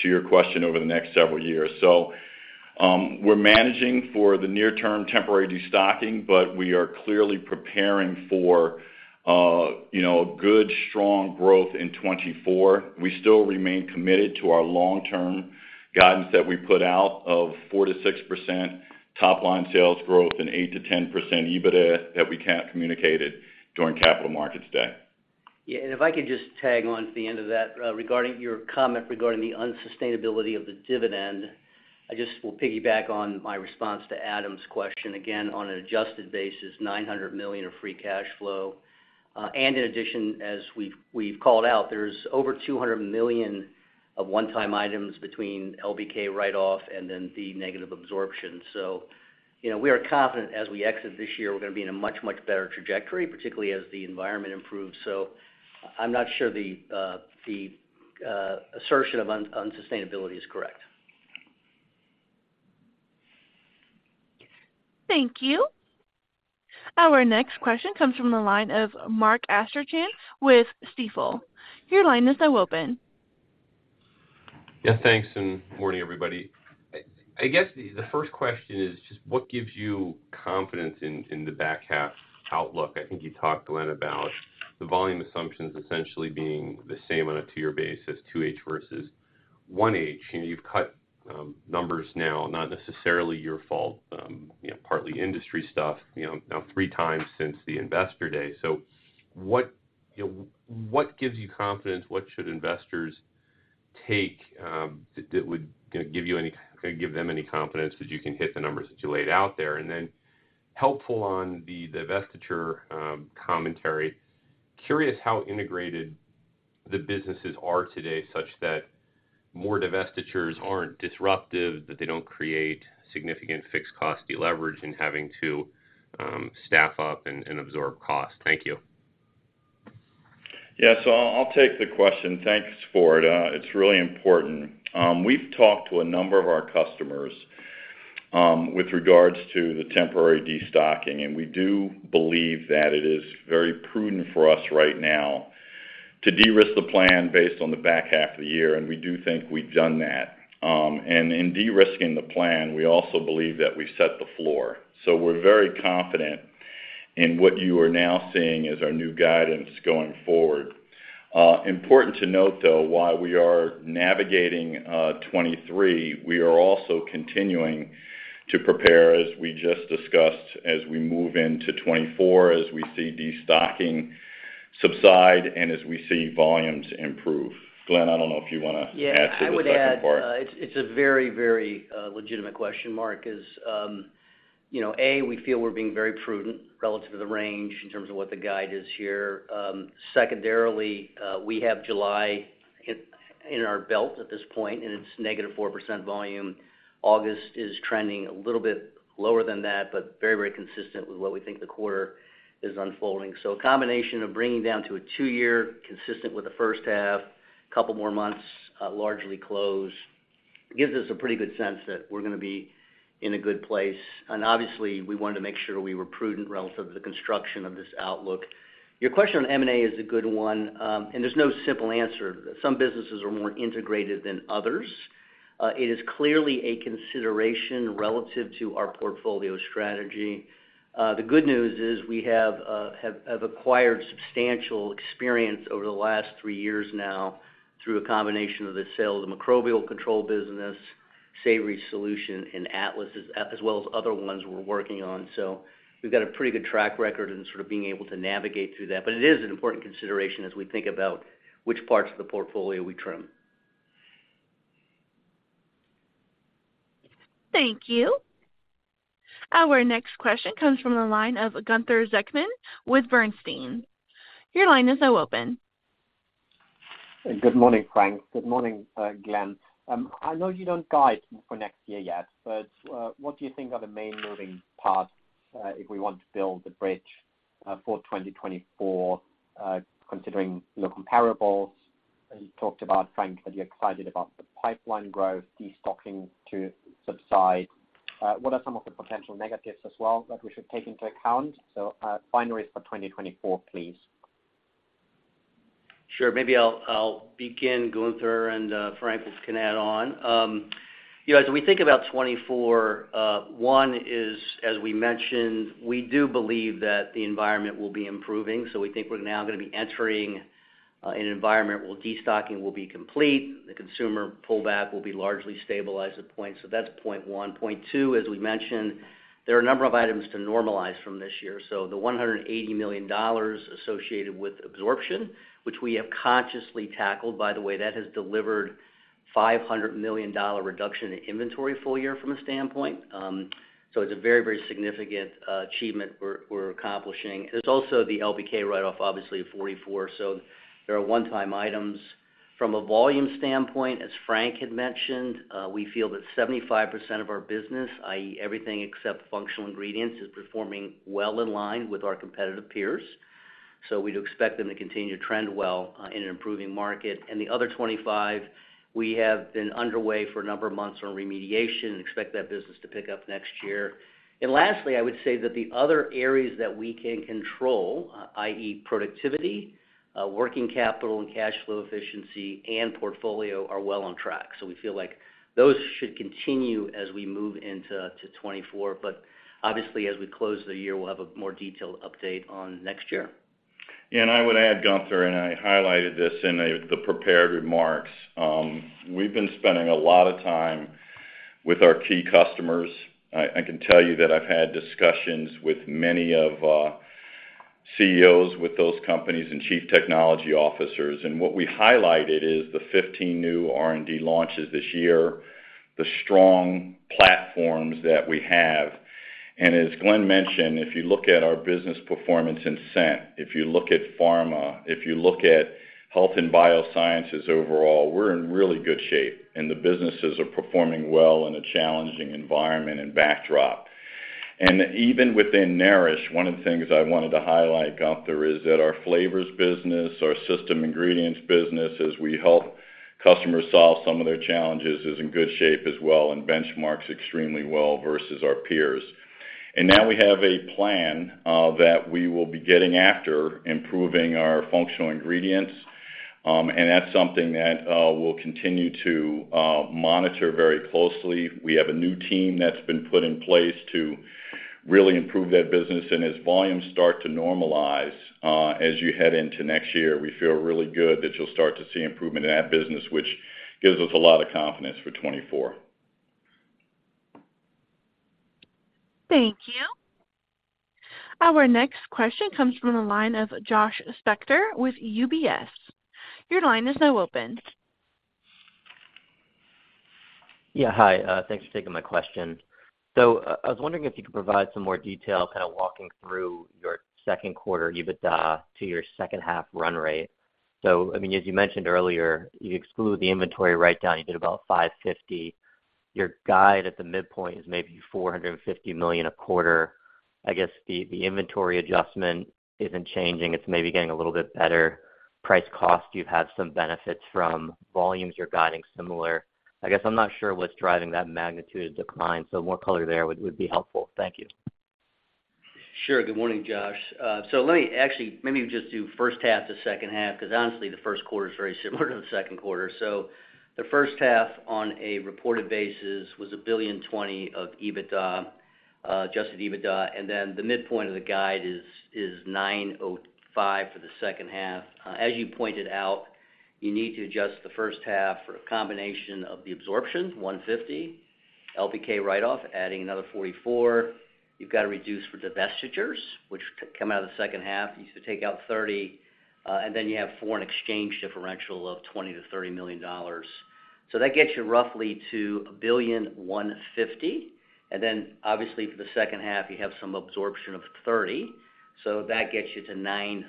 to your question, over the next several years. We're managing for the near-term temporary destocking, but we are clearly preparing for, you know, a good, strong growth in 2024. We still remain committed to our long-term guidance that we put out of 4%-6% top line sales growth and 8%-10% EBITDA that we communicated during Capital Markets Day. If I could just tag on to the end of that, regarding your comment regarding the unsustainability of the dividend, I just will piggyback on my response to Adam's question. Again, on an adjusted basis, $900 million of free cash flow. In addition, as we've, we've called out, there's over $200 million of one-time items between LBK write-off and then the negative absorption. You know, we are confident as we exit this year, we're gonna be in a much, much better trajectory, particularly as the environment improves. I'm not sure the assertion of unsustainability is correct. Thank you. Our next question comes from the line of Mark Astrachan with Stifel. Your line is now open. Yeah, thanks. Morning, everybody. I guess the, the first question is just what gives you confidence in, in the back half outlook? I think you talked, Glenn, about the volume assumptions essentially being the same on a two-year basis, 2H versus 1H, and you've cut numbers now, not necessarily your fault, you know, partly industry stuff, you know, now three times since the Investor Day. What, you know, what gives you confidence? What should investors take that would, you know, give them any confidence that you can hit the numbers that you laid out there? Then, helpful on the divestiture commentary, curious how integrated the businesses are today, such that more divestitures aren't disruptive, that they don't create significant fixed cost deleverage in having to staff up and, and absorb costs. Thank you. Yes, I'll, I'll take the question. Thanks for it. It's really important. We've talked to a number of our customers with regards to the temporary destocking, and we do believe that it is very prudent for us right now to de-risk the plan based on the back half of the year, and we do think we've done that. In de-risking the plan, we also believe that we've set the floor. We're very confident in what you are now seeing as our new guidance going forward. Important to note, though, while we are navigating 2023, we are also continuing to prepare, as we just discussed, as we move into 2024, as we see destocking subside and as we see volumes improve. Glenn, I don't know if you wanna add to the second part. Yeah, I would add, it's, it's a very, very, legitimate question, Mark, is, you know, A, we feel we're being very prudent relative to the range in terms of what the guide is here. Secondarily, we have July in, in our belt at this point, and it's negative 4% volume. August is trending a little bit lower than that, but very, very consistent with what we think the quarter is unfolding. A combination of bringing down to a two-year, consistent with the 1st half, a couple more months, largely closed, gives us a pretty good sense that we're gonna be in a good place. Obviously, we wanted to make sure we were prudent relative to the construction of this outlook. Your question on M&A is a good one. There's no simple answer. Some businesses are more integrated than others. It is clearly a consideration relative to our portfolio strategy. The good news is we have, have, have acquired substantial experience over the last three years now through a combination of the sale of the Microbial Control business, Savory Solutions, and Atlas, as, as well as other ones we're working on. We've got a pretty good track record in sort of being able to navigate through that. It is an important consideration as we think about which parts of the portfolio we trim. Thank you. Our next question comes from the line of Gunther Zechmann with Bernstein. Your line is now open. Good morning, Frank. Good morning, Glenn. I know you don't guide for next year yet, what do you think are the main moving parts, if we want to build the bridge, for 2024, considering your comparables? You talked about, Frank, that you're excited about the pipeline growth, destocking to subside. What are some of the potential negatives as well that we should take into account? Binaries for 2024, please. Sure. Maybe I'll, I'll begin, Gunther, and Frank can add on. You know, as we think about 2024, one is, as we mentioned, we do believe that the environment will be improving, so we think we're now gonna be entering an environment where destocking will be complete, the consumer pullback will be largely stabilized at point. That's point one. Point two, as we mentioned, there are a number of items to normalize from this year. The $180 million associated with absorption, which we have consciously tackled, by the way, that has delivered $500 million reduction in inventory full year from a standpoint. It's a very, very significant achievement we're accomplishing. There's also the LBK write-off, obviously, of $44 million. There are one-time items. From a volume standpoint, as Frank had mentioned, we feel that 75% of our business, i.e., Functional Ingredients, is performing well in line with our competitive peers. We'd expect them to continue to trend well in an improving market. The other 25%, we have been underway for a number of months on remediation, and expect that business to pick up next year. Lastly, I would say that the other areas that we can control, i.e., productivity, working capital and cash flow efficiency, and portfolio, are well on track. We feel like those should continue as we move into 2024. Obviously, as we close the year, we'll have a more detailed update on next year. I would add, Gunther, and I highlighted this in the prepared remarks. We've been spending a lot of time with our key customers. I, I can tell you that I've had discussions with many of CEOs with those companies and chief technology officers. What we highlighted is the 15 new R&D launches this year, the strong platforms that we have. As Glenn mentioned, if you look at our business performance in scent, if you look at pharma, if you look at Health and Biosciences overall, we're in really good shape. The businesses are performing well in a challenging environment and backdrop. Even within Nourish, one of the things I wanted to highlight, Gunther, is that our Flavors business, our system ingredients business, as we help customers solve some of their challenges, is in good shape as well and benchmarks extremely well versus our peers. Now we have a plan that we will be getting after, Functional Ingredients, and that's something that we'll continue to monitor very closely. We have a new team that's been put in place to really improve that business. As volumes start to normalize as you head into next year, we feel really good that you'll start to see improvement in that business, which gives us a lot of confidence for 2024. Thank you. Our next question comes from the line of Josh Spector with UBS. Your line is now open. Yeah, hi, thanks for taking my question. I was wondering if you could provide some more detail, kind of walking through your second quarter EBITDA to your second half run rate. I mean, as you mentioned earlier, you exclude the inventory write-down, you did about $550. Your guide at the midpoint is maybe $450 million a quarter. I guess, the inventory adjustment isn't changing. It's maybe getting a little bit better. Price cost, you have some benefits from volumes, you're guiding similar. I guess I'm not sure what's driving that magnitude of decline, so more color there would be helpful. Thank you. Sure. Good morning, Josh. Actually, let me just do first half to second half, because honestly, the first quarter is very similar to the second quarter. The first half, on a reported basis, was $1.02 billion of EBITDA, adjusted EBITDA, and then the midpoint of the guide is $905 for the second half. As you pointed out, you need to adjust the first half for a combination of the absorption, $150 million, LBK write-off, adding another $44 million. You've got to reduce for divestitures, which c- come out of the second half, you should take out $30 million, and then you have foreign exchange differential of $20 million-$30 million. That gets you roughly to $1.15 billion, and then obviously, for the second half, you have some absorption of $30, so that gets you to $935.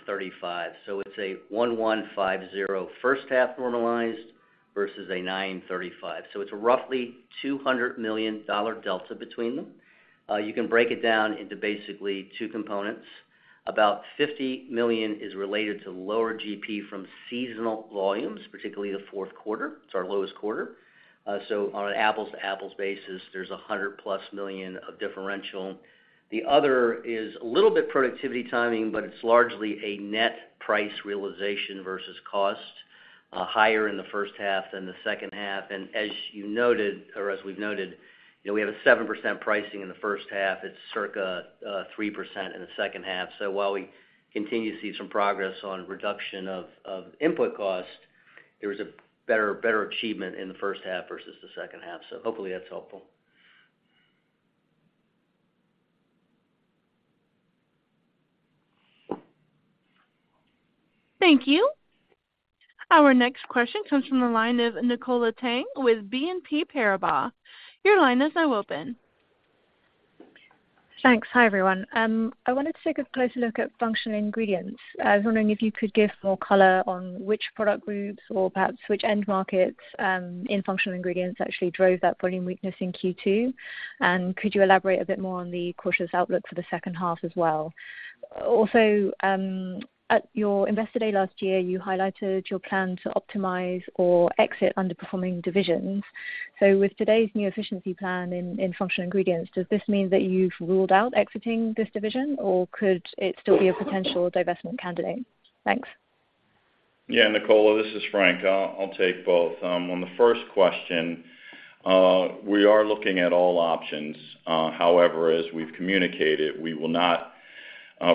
It's a $1,150 first half normalized versus a $935. It's a roughly $200 million delta between them. You can break it down into basically two components. About $50 million is related to lower GP from seasonal volumes, particularly the fourth quarter. It's our lowest quarter. On an apples-to-apples basis, there's a $100+ million of differential. The other is a little bit productivity timing, but it's largely a net price realization versus cost, higher in the first half than the second half. As you noted, or as we've noted, you know, we have a 7% pricing in the first half. It's circa, 3% in the second half. While we continue to see some progress on reduction of, of input costs, there was a better, better achievement in the first half versus the second half. Hopefully, that's helpful. Thank you. Our next question comes from the line of Nicola Tang with BNP Paribas. Your line is now open. Thanks. Hi, everyone. I wanted to take a closer Functional Ingredients. i was wondering if you could give more color on which product groups, or perhaps which end Functional Ingredients actually drove that volume weakness in Q2. Could you elaborate a bit more on the cautious outlook for the second half as well? At your Investor Day last year, you highlighted your plan to optimize or exit underperforming divisions. With today's new efficiency plan Functional Ingredients, does this mean that you've ruled out exiting this division, or could it still be a potential divestment candidate? Thanks. Yeah, Nicola, this is Frank. I'll, I'll take both. On the first question, we are looking at all options. However, as we've communicated, we will not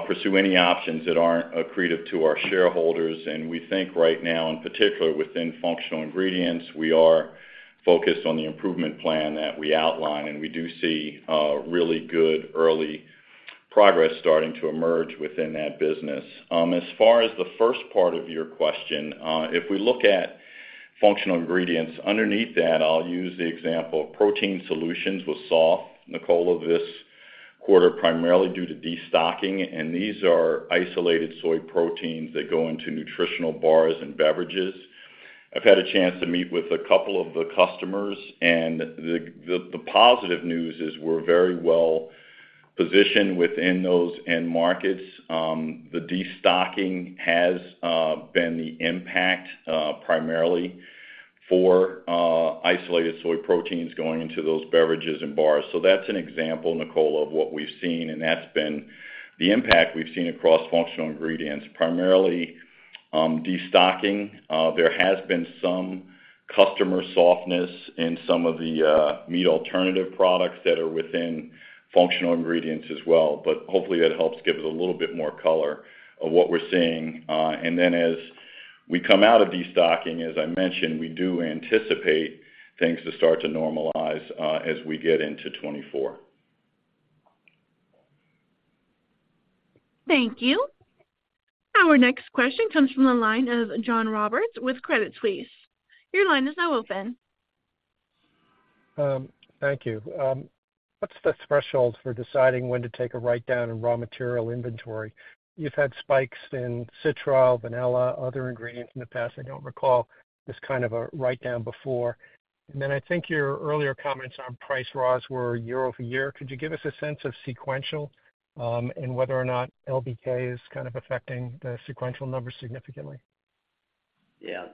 pursue any options that aren't accretive to our shareholders. We think right now, in Functional Ingredients, we are focused on the improvement plan that we outlined, and we do see really good early progress starting to emerge within that business. As far as the first part of your question, if we Functional Ingredients, underneath that, I'll use the example of protein solutions with Soft, Nicola, this quarter, primarily due to destocking, and these are soy protein isolates that go into nutritional bars and beverages. I've had a chance to meet with a couple of the customers, and the positive news is we're very well positioned within those end markets. The destocking has been the impact primarily for soy protein isolates going into those beverages and bars. That's an example, Nicola, of what we've seen, and that's been the impact we've Functional Ingredients, primarily, destocking. There has been some customer softness in some of the meat alternative products that Functional Ingredients as well, but hopefully, that helps give us a little bit more color of what we're seeing. As we come out of destocking, as I mentioned, we do anticipate things to start to normalize, as we get into 2024. Thank you. Our next question comes from the line of John Roberts with Credit Suisse. Your line is now open. Thank you. What's the threshold for deciding when to take a write-down in raw material inventory? You've had spikes in citral, vanilla, other ingredients in the past. I don't recall this kind of a write-down before. I think your earlier comments on price/raws were year-over-year. Could you give us a sense of sequential, and whether or not LBK is kind of affecting the sequential numbers significantly? Yeah,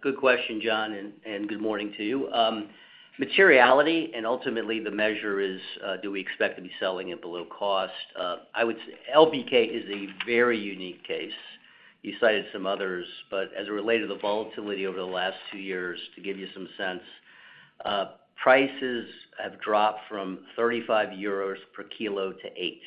good question, John, and good morning to you. Materiality, and ultimately, the measure is, do we expect to be selling at below cost? I would LBK is a very unique case. You cited some others, but as it related to the volatility over the last two years, to give you some sense, prices have dropped from 35 euros per kilo to 8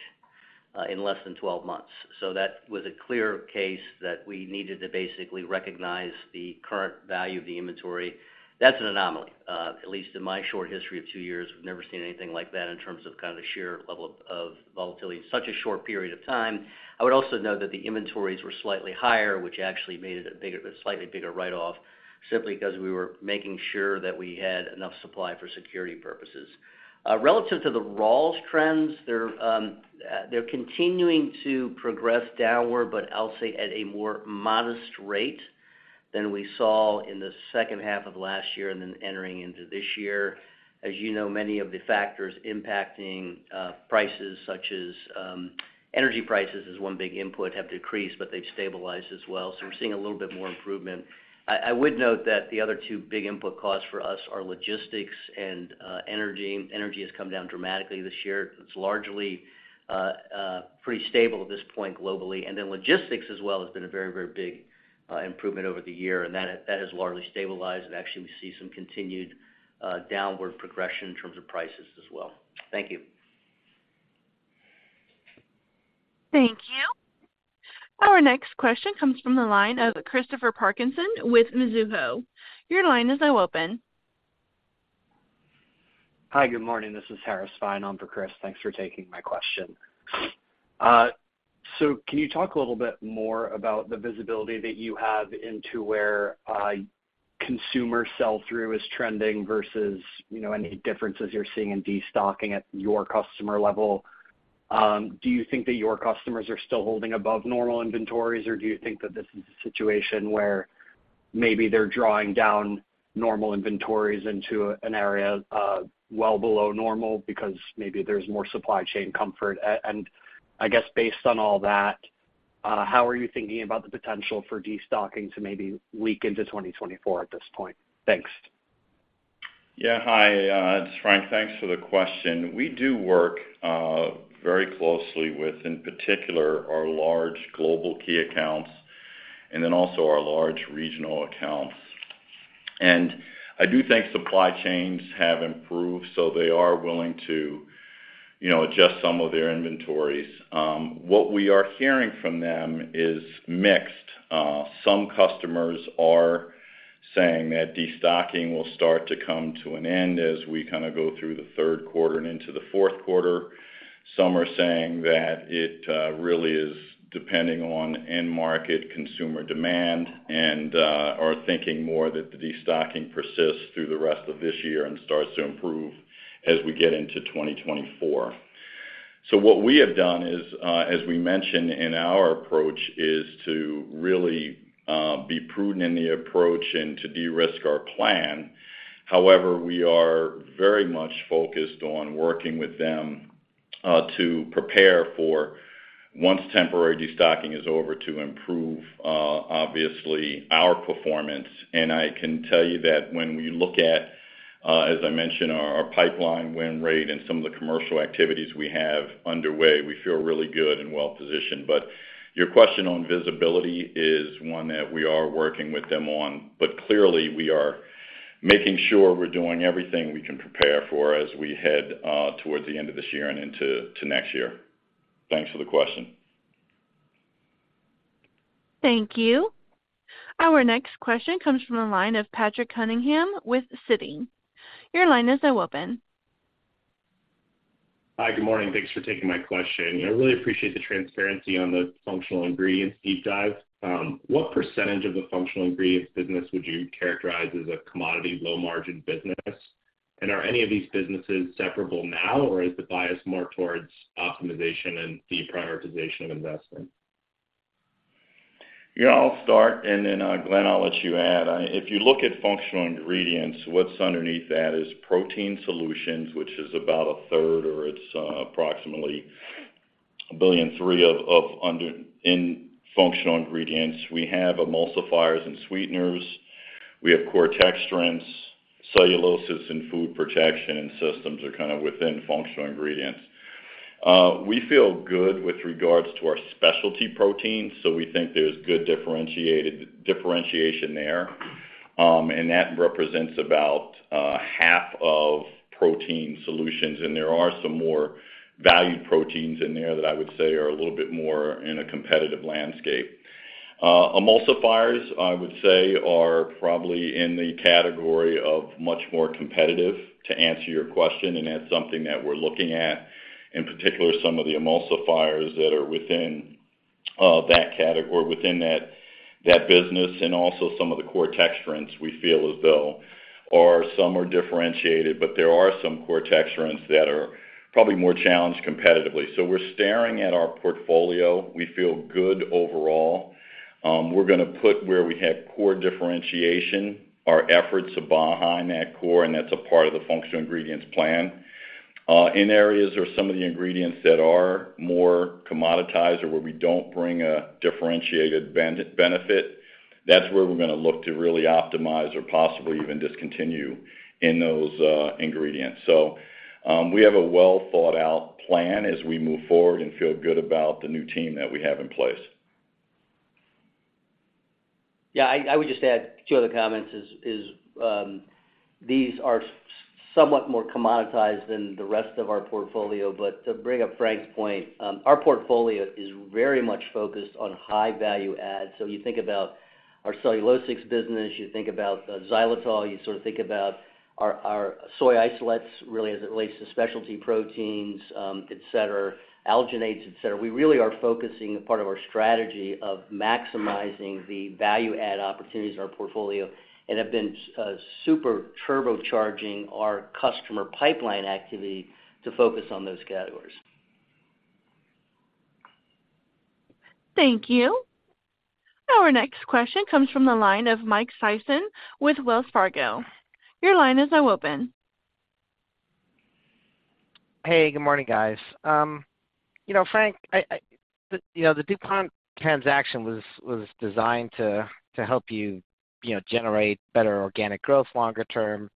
in less than 12 months. That was a clear case that we needed to basically recognize the current value of the inventory. That's an anomaly. At least in my short history of two years, we've never seen anything like that in terms of kind of the sheer level of, of volatility in such a short period of time. I would also note that the inventories were slightly higher, which actually made it a bigger, a slightly bigger write-off, simply because we were making sure that we had enough supply for security purposes. Relative to the raws trends, they're continuing to progress downward, but I'll say at a more modest rate than we saw in the second half of last year and then entering into this year. As you know, many of the factors impacting prices, such as energy prices, is one big input, have decreased, but they've stabilized as well. We're seeing a little bit more improvement. I would note that the other two big input costs for us are logistics and energy. Energy has come down dramatically this year. It's largely, pretty stable at this point globally. Logistics as well, has been a very, very big improvement over the year, and that has largely stabilized. Actually, we see some continued downward progression in terms of prices as well. Thank you. Thank you. Our next question comes from the line of Christopher Parkinson with Mizuho. Your line is now open. Hi, good morning. This is Harris Fein on for Chris. Thanks for taking my question. So can you talk a little bit more about the visibility that you have into where consumer sell-through is trending versus, you know, any differences you're seeing in destocking at your customer level? Do you think that your customers are still holding above normal inventories, or do you think that this is a situation where maybe they're drawing down normal inventories into an area well below normal because maybe there's more supply chain comfort? I guess, based on all that, how are you thinking about the potential for destocking to maybe leak into 2024 at this point? Thanks. Yeah. Hi, it's Frank. Thanks for the question. We do work very closely with, in particular, our large global key accounts and then also our large regional accounts. I do think supply chains have improved, so they are willing to, you know, adjust some of their inventories. What we are hearing from them is mixed. Some customers are saying that destocking will start to come to an end as we kind of go through the third quarter and into the fourth quarter. Some are saying that it really is depending on end market consumer demand, and are thinking more that the destocking persists through the rest of this year and starts to improve as we get into 2024. What we have done is, as we mentioned in our approach, is to really, be prudent in the approach and to de-risk our plan. However, we are very much focused on working with them, to prepare for once temporary destocking is over, to improve, obviously, our performance. I can tell you that when we look at, as I mentioned, our, our pipeline win rate and some of the commercial activities we have underway, we feel really good and well positioned. Your question on visibility is one that we are working with them on, but clearly, we are making sure we're doing everything we can prepare for as we head, towards the end of this year and into next year. Thanks for the question. Thank you. Our next question comes from the line of Patrick Cunningham with Citi. Your line is now open. Hi, good morning. Thanks for taking my question. I really appreciate the transparency Functional Ingredients deep dive. What percentage Functional Ingredients business would you characterize as a commodity low-margin business? Are any of these businesses separable now, or is the bias more towards optimization and deprioritization of investment? I'll start, and then Glenn, I'll let you add. If you Functional Ingredients, what's underneath that is protein solutions, which is about a third, or it's approximately $1.3 Functional Ingredients. we have emulsifiers and sweeteners. We have core texturants, celluloses, and food protection, and systems are kind Functional Ingredients. we feel good with regards to our specialty proteins, so we think there's good differentiation there. And that represents about half of protein solutions, and there are some more value proteins in there that I would say are a little bit more in a competitive landscape. Emulsifiers, I would say, are probably in the category of much more competitive, to answer your question, and that's something that we're looking at, in particular, some of the emulsifiers that are within that category or within that business, and also some of the core texturants we feel as though are. Some are differentiated, but there are some core texturants that are probably more challenged competitively. We're staring at our portfolio. We feel good overall. We're gonna put where we have core differentiation, our efforts are behind that core, and that's a part Functional Ingredients plan. in areas or some of the ingredients that are more commoditized or where we don't bring a differentiated benefit, that's where we're gonna look to really optimize or possibly even discontinue in those ingredients. We have a well-thought-out plan as we move forward and feel good about the new team that we have in place. Yeah, I, I would just add two other comments is, is, these are somewhat more commoditized than the rest of our portfolio. To bring up Frank's point, our portfolio is very much focused on high value add. You think about our celluloses business, you think about Xylitol, you sort of think about our, our soy isolates, really as it relates to specialty proteins, et cetera, alginates, et cetera. We really are focusing a part of our strategy of maximizing the value add opportunities in our portfolio and have been super turbocharging our customer pipeline activity to focus on those categories. Thank you. Our next question comes from the line of Mike Sison with Wells Fargo. Your line is now open. Hey, good morning, guys. You know, Frank, you know, the DuPont transaction was, was designed to, to help you, you know, generate better organic growth longer term,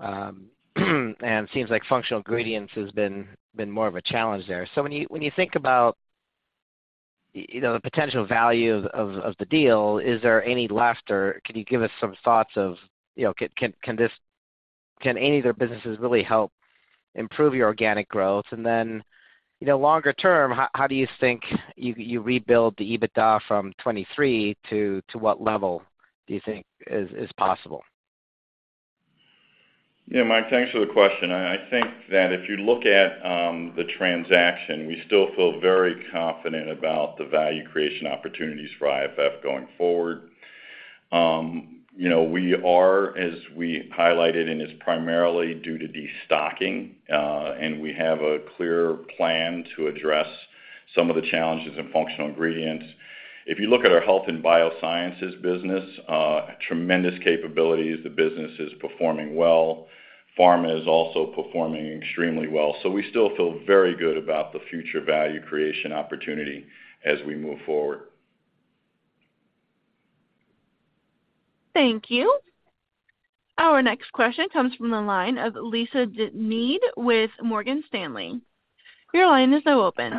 and it Functional Ingredients has been, been more of a challenge there. When you, when you think about, you know, the potential value of, of the deal, is there any luster? Can you give us some thoughts of, you know, can any of their businesses really help improve your organic growth? Then, you know, longer term, how, how do you think you, you rebuild the EBITDA from 23 to, to what level do you think is, is possible? Yeah, Mike, thanks for the question. I, I think that if you look at the transaction, we still feel very confident about the value creation opportunities for IFF going forward. You know, we are, as we highlighted, and it's primarily due to destocking, and we have a clear plan to address some of the Functional Ingredients. if you look at our Health and Biosciences business, tremendous capabilities. The business is performing well. Pharma is also performing extremely well. We still feel very good about the future value creation opportunity as we move forward. Thank you. Our next question comes from the line of Lisa De Neve with Morgan Stanley. Your line is now open.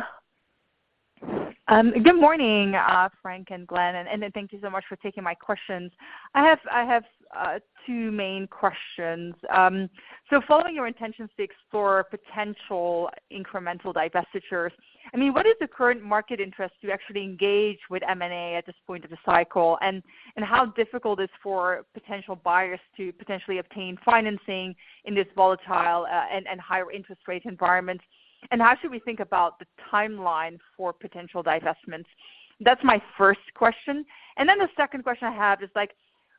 Good morning, Frank and Glenn, and thank you so much for taking my questions. I have, I have two main questions. So following your intentions to explore potential incremental divestitures, I mean, what is the current market interest to actually engage with M&A at this point of the cycle? How difficult is it for potential buyers to potentially obtain financing in this volatile and higher interest rate environment? How should we think about the timeline for potential divestments? That's my first question. Then the second question I have is, like,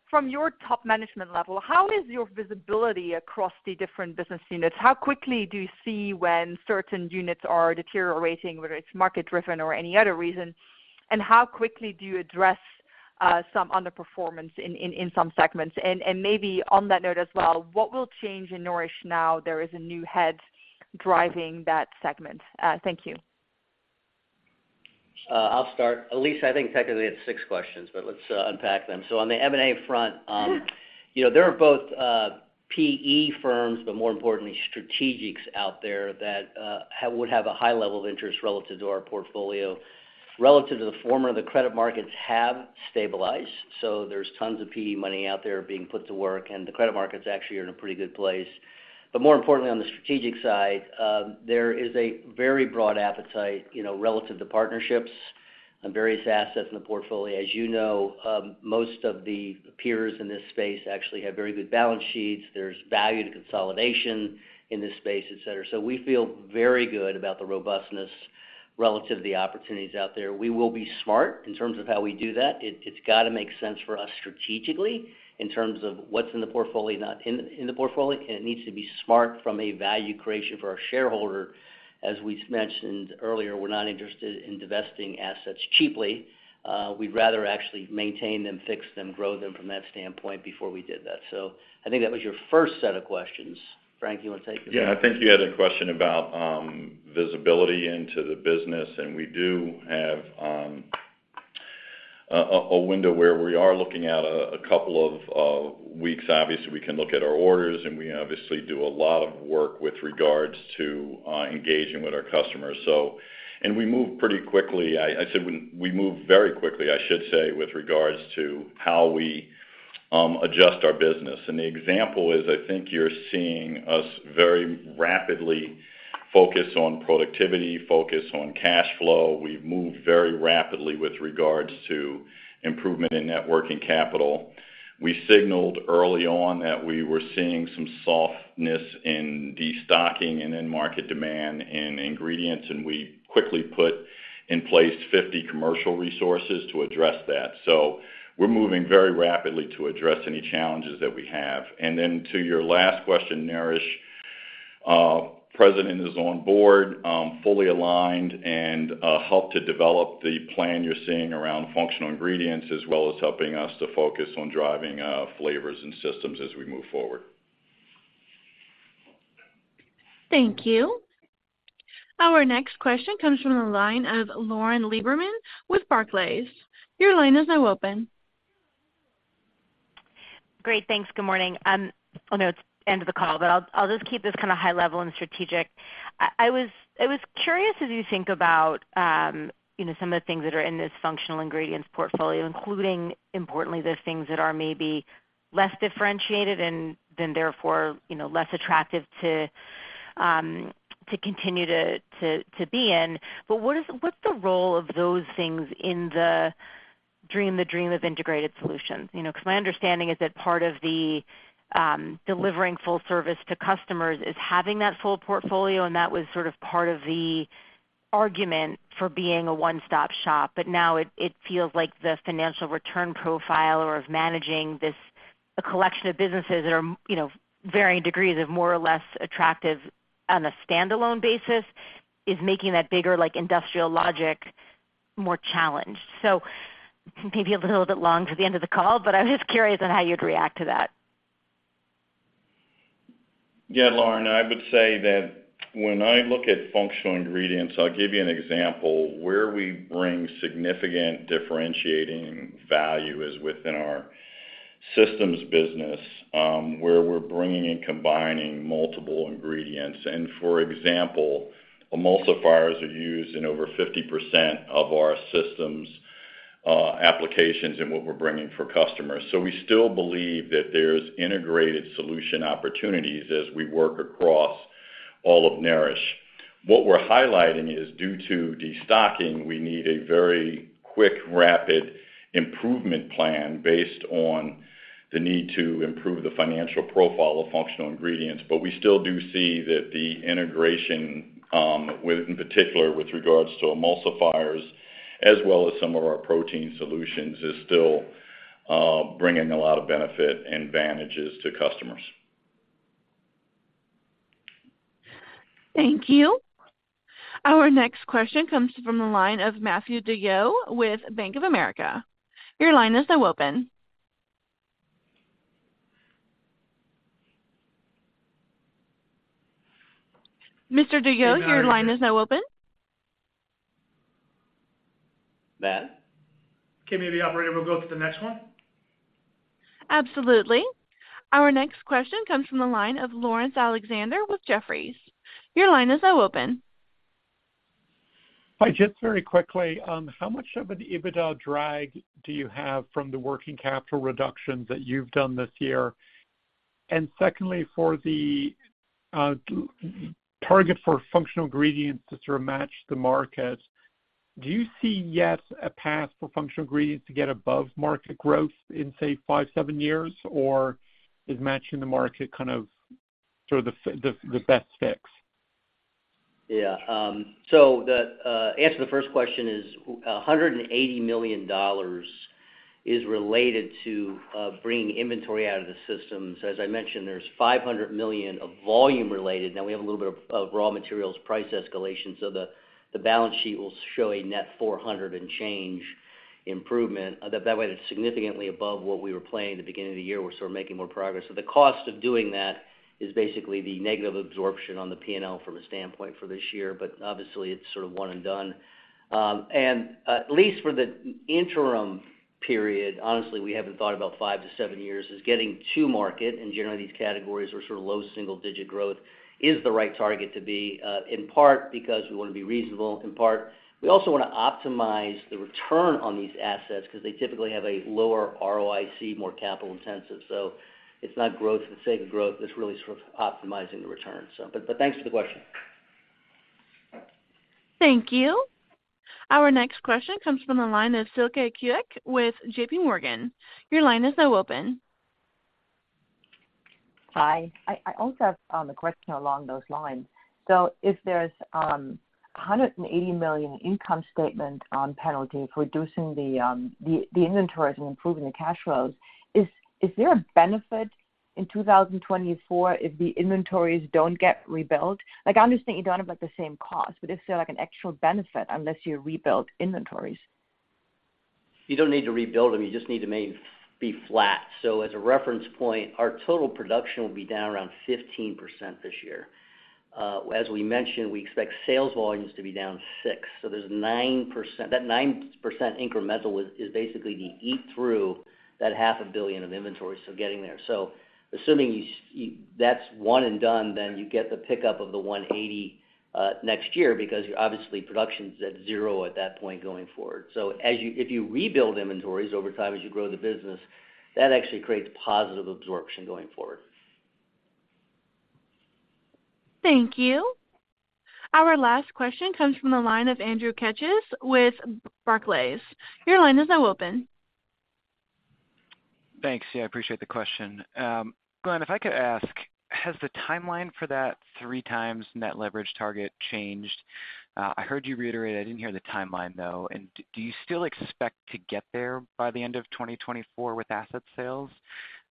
from your top management level, how is your visibility across the different business units? How quickly do you see when certain units are deteriorating, whether it's market-driven or any other reason? How quickly do you address some underperformance in some segments? Maybe on that note as well, what will change in Nourish now there is a new head driving that segment? Thank you. I'll start. Lisa, I think technically had six questions, but let's unpack them. On the M&A front, you know, there are both PE firms, but more importantly, strategics out there that would have a high level of interest relative to our portfolio. Relative to the former, the credit markets have stabilized, so there's tons of PE money out there being put to work, and the credit markets actually are in a pretty good place. More importantly, on the strategic side, there is a very broad appetite, you know, relative to partnerships and various assets in the portfolio. As you know, most of the peers in this space actually have very good balance sheets. There's value to consolidation in this space, et cetera. We feel very good about the robustness relative to the opportunities out there. We will be smart in terms of how we do that. It's gotta make sense for us strategically in terms of what's in the portfolio, not in the portfolio. It needs to be smart from a value creation for our shareholder. As we've mentioned earlier, we're not interested in divesting assets cheaply. We'd rather actually maintain them, fix them, grow them from that standpoint before we did that. I think that was your first set of questions. Frank, you wanna take the second? Yeah, I think you had a question about visibility into the business, and we do have a window where we are looking at a couple of weeks. Obviously, we can look at our orders, and we obviously do a lot of work with regards to engaging with our customers. We move pretty quickly. I'd say we move very quickly, I should say, with regards to how we adjust our business. The example is, I think you're seeing us very rapidly focus on productivity, focus on cash flow. We've moved very rapidly with regards to improvement in net working capital. We signaled early on that we were seeing some softness in destocking and end market demand in Ingredients, and we quickly put in place 50 commercial resources to address that. We're moving very rapidly to address any challenges that we have. To your last question, Nourish, president is on board, fully aligned and helped to develop the plan you're Functional Ingredients, as well as helping us to focus on driving flavors and systems as we move forward. Thank you. Our next question comes from the line of Lauren Lieberman with Barclays. Your line is now open. Great, thanks. Good morning. I know it's the end of the call, but I'll, I'll just keep this kind of high level and strategic. I was curious, as you think about, you know, some of the things that are Functional Ingredients portfolio, including importantly, the things that are maybe less differentiated and then therefore, you know, less attractive to continue to be in. What's the role of those things in the dream, the dream of integrated solutions? You know, because my understanding is that part of the delivering full service to customers is having that full portfolio, and that was sort of part of the argument for being a one-stop shop. Now it, it feels like the financial return profile or of managing this, a collection of businesses that are, you know, varying degrees of more or less attractive on a standalone basis, is making that bigger, like, industrial logic more challenged. Maybe a little bit long to the end of the call, but I'm just curious on how you'd react to that. Yeah, Lauren, I would say that when I Functional Ingredients, i'll give you an example. Where we bring significant differentiating value is within our systems business, where we're bringing and combining multiple ingredients. For example, emulsifiers are used in over 50% of our systems, applications and what we're bringing for customers. We still believe that there's integrated solution opportunities as we work across all of Naresh. What we're highlighting is, due to destocking, we need a very quick, rapid improvement plan based on the need to improve the financial Functional Ingredients. we still do see that the integration, with, in particular, with regards to emulsifiers, as well as some of our protein solutions, is still bringing a lot of benefit and advantages to customers. Thank you. Our next question comes from the line of Matthew DeYoe with Bank of America. Your line is now open. Mr. DeYoe, your line is now open. Matt? Okay, maybe, operator, we'll go to the next one. Absolutely. Our next question comes from the line of Laurence Alexander with Jefferies. Your line is now open. Hi, just very quickly, how much of an EBITDA drag do you have from the working capital reductions that you've done this year? Secondly, for the Functional Ingredients to sort of match the market, do you see, yet, a Functional Ingredients to get above market growth in say, five, seven years? Or is matching the market kind of sort of the best fix? Yeah, the answer to the first question is, $180 million is related to bringing inventory out of the system. As I mentioned, there's $500 million of volume related. We have a little bit of raw materials price escalation, so the balance sheet will show a net $400 and change improvement. That, that way, it's significantly above what we were planning at the beginning of the year. We're sort of making more progress. The cost of doing that is basically the negative absorption on the P&L from a standpoint for this year, but obviously, it's sort of one and done. At least for the interim period, honestly, we haven't thought about five to seven years, is getting to market, and generally, these categories are sort of low single-digit growth, is the right target to be, in part because we wanna be reasonable. In part, we also wanna optimize the return on these assets because they typically have a lower ROIC, more capital intensive. It's not growth for the sake of growth, it's really sort of optimizing the return. Thanks for the question. Thank you. Our next question comes from the line of Silke Kueck with JP Morgan. Your line is now open. Hi. I, I also have a question along those lines. If there's $180 million income statement on penalty for reducing the inventories and improving the cash flows, is there a benefit in 2024 if the inventories don't get rebuilt? Like, I understand you don't have about the same cost, but is there, like, an actual benefit unless you rebuild inventories? You don't need to rebuild them, you just need to be flat. As a reference point, our total production will be down around 15% this year. As we mentioned, we expect sales volumes to be down 6%. There's 9%. That 9% incremental is basically the eat-through that $500 million of inventory, so getting there. Assuming that's one and done, then you get the pickup of the $180 million next year because obviously, production's at zero at that point going forward. As you if you rebuild inventories over time as you grow the business, that actually creates positive absorption going forward. Thank you. Our last question comes from the line of Andrew Keches with Barclays. Your line is now open. Thanks. Yeah, I appreciate the question. Glenn, if I could ask, has the timeline for that 3x net leverage target changed? I heard you reiterate, I didn't hear the timeline, though. Do you still expect to get there by the end of 2024 with asset sales?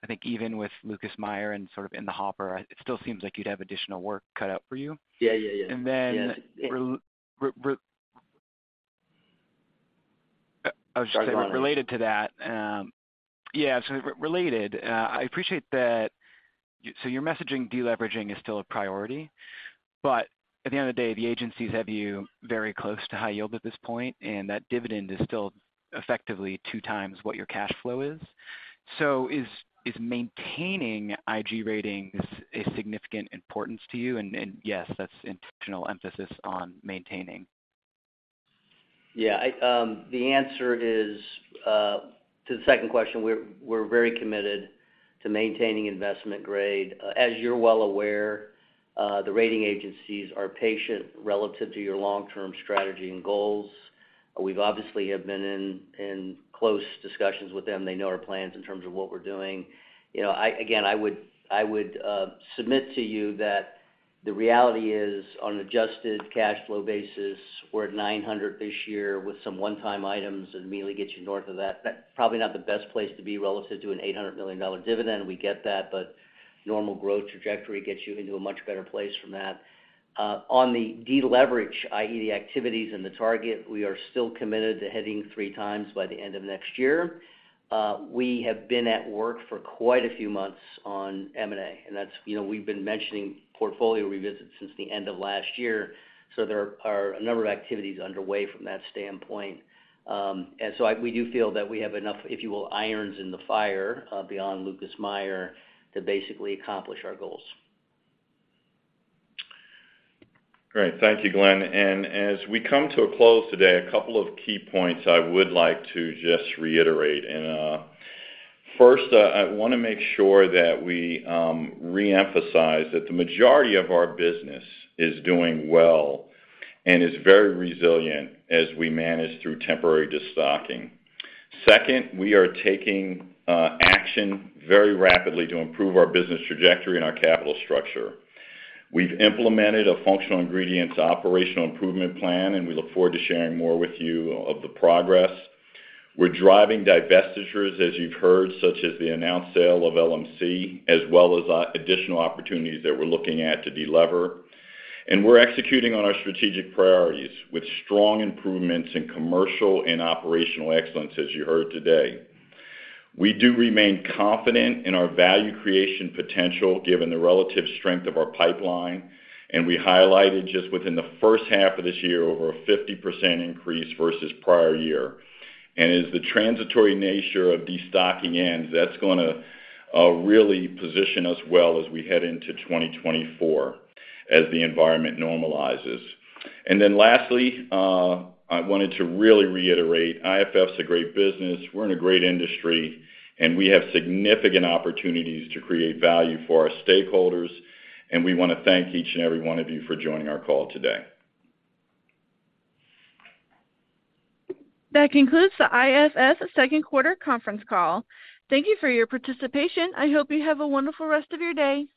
I think even with Lucas Meyer and sort of in the hopper, it still seems like you'd have additional work cut out for you. Yeah, yeah, yeah. then... Sorry, go on. Related to that, I appreciate that. Your messaging deleveraging is still a priority, but at the end of the day, the agencies have you very close to high yield at this point, and that dividend is still effectively 2x what your cash flow is. Is, is maintaining IG ratings a significant importance to you? Yes, that's intentional emphasis on maintaining. Yeah, I, the answer is, to the second question, we're very committed to maintaining investment grade. As you're well aware, the rating agencies are patient relative to your long-term strategy and goals. We've obviously have been in close discussions with them. They know our plans in terms of what we're doing. You know, again, I would submit to you that the reality is, on an adjusted cash flow basis, we're at $900 million this year with some one-time items, and immediately gets you north of that. That's probably not the best place to be relative to an $800 million dividend, we get that. Normal growth trajectory gets you into a much better place from that. On the deleverage, i.e., the activities and the target, we are still committed to hitting 3x by the end of next year. We have been at work for quite a few months on M&A, and that's, you know, we've been mentioning portfolio revisits since the end of last year, so there are a number of activities underway from that standpoint. We do feel that we have enough, if you will, irons in the fire, beyond Lucas Meyer, to basically accomplish our goals. Great. Thank you, Glenn. As we come to a close today, a couple of key points I would like to just reiterate. First, I wanna make sure that we reemphasize that the majority of our business is doing well and is very resilient as we manage through temporary destocking. Second, we are taking action very rapidly to improve our business trajectory and our capital structure. We've Functional Ingredients operational improvement plan, and we look forward to sharing more with you of the progress. We're driving divestitures, as you've heard, such as the announced sale of LMC, as well as additional opportunities that we're looking at to delever. We're executing on our strategic priorities with strong improvements in commercial and operational excellence, as you heard today. We do remain confident in our value creation potential, given the relative strength of our pipeline, and we highlighted just within the first half of this year, over a 50% increase versus prior year. As the transitory nature of destocking ends, that's gonna really position us well as we head into 2024, as the environment normalizes. Then lastly, I wanted to really reiterate, IFF's a great business, we're in a great industry, and we have significant opportunities to create value for our stakeholders, and we wanna thank each and every one of you for joining our call today. That concludes the IFF's second quarter conference call. Thank you for your participation. I hope you have a wonderful rest of your day.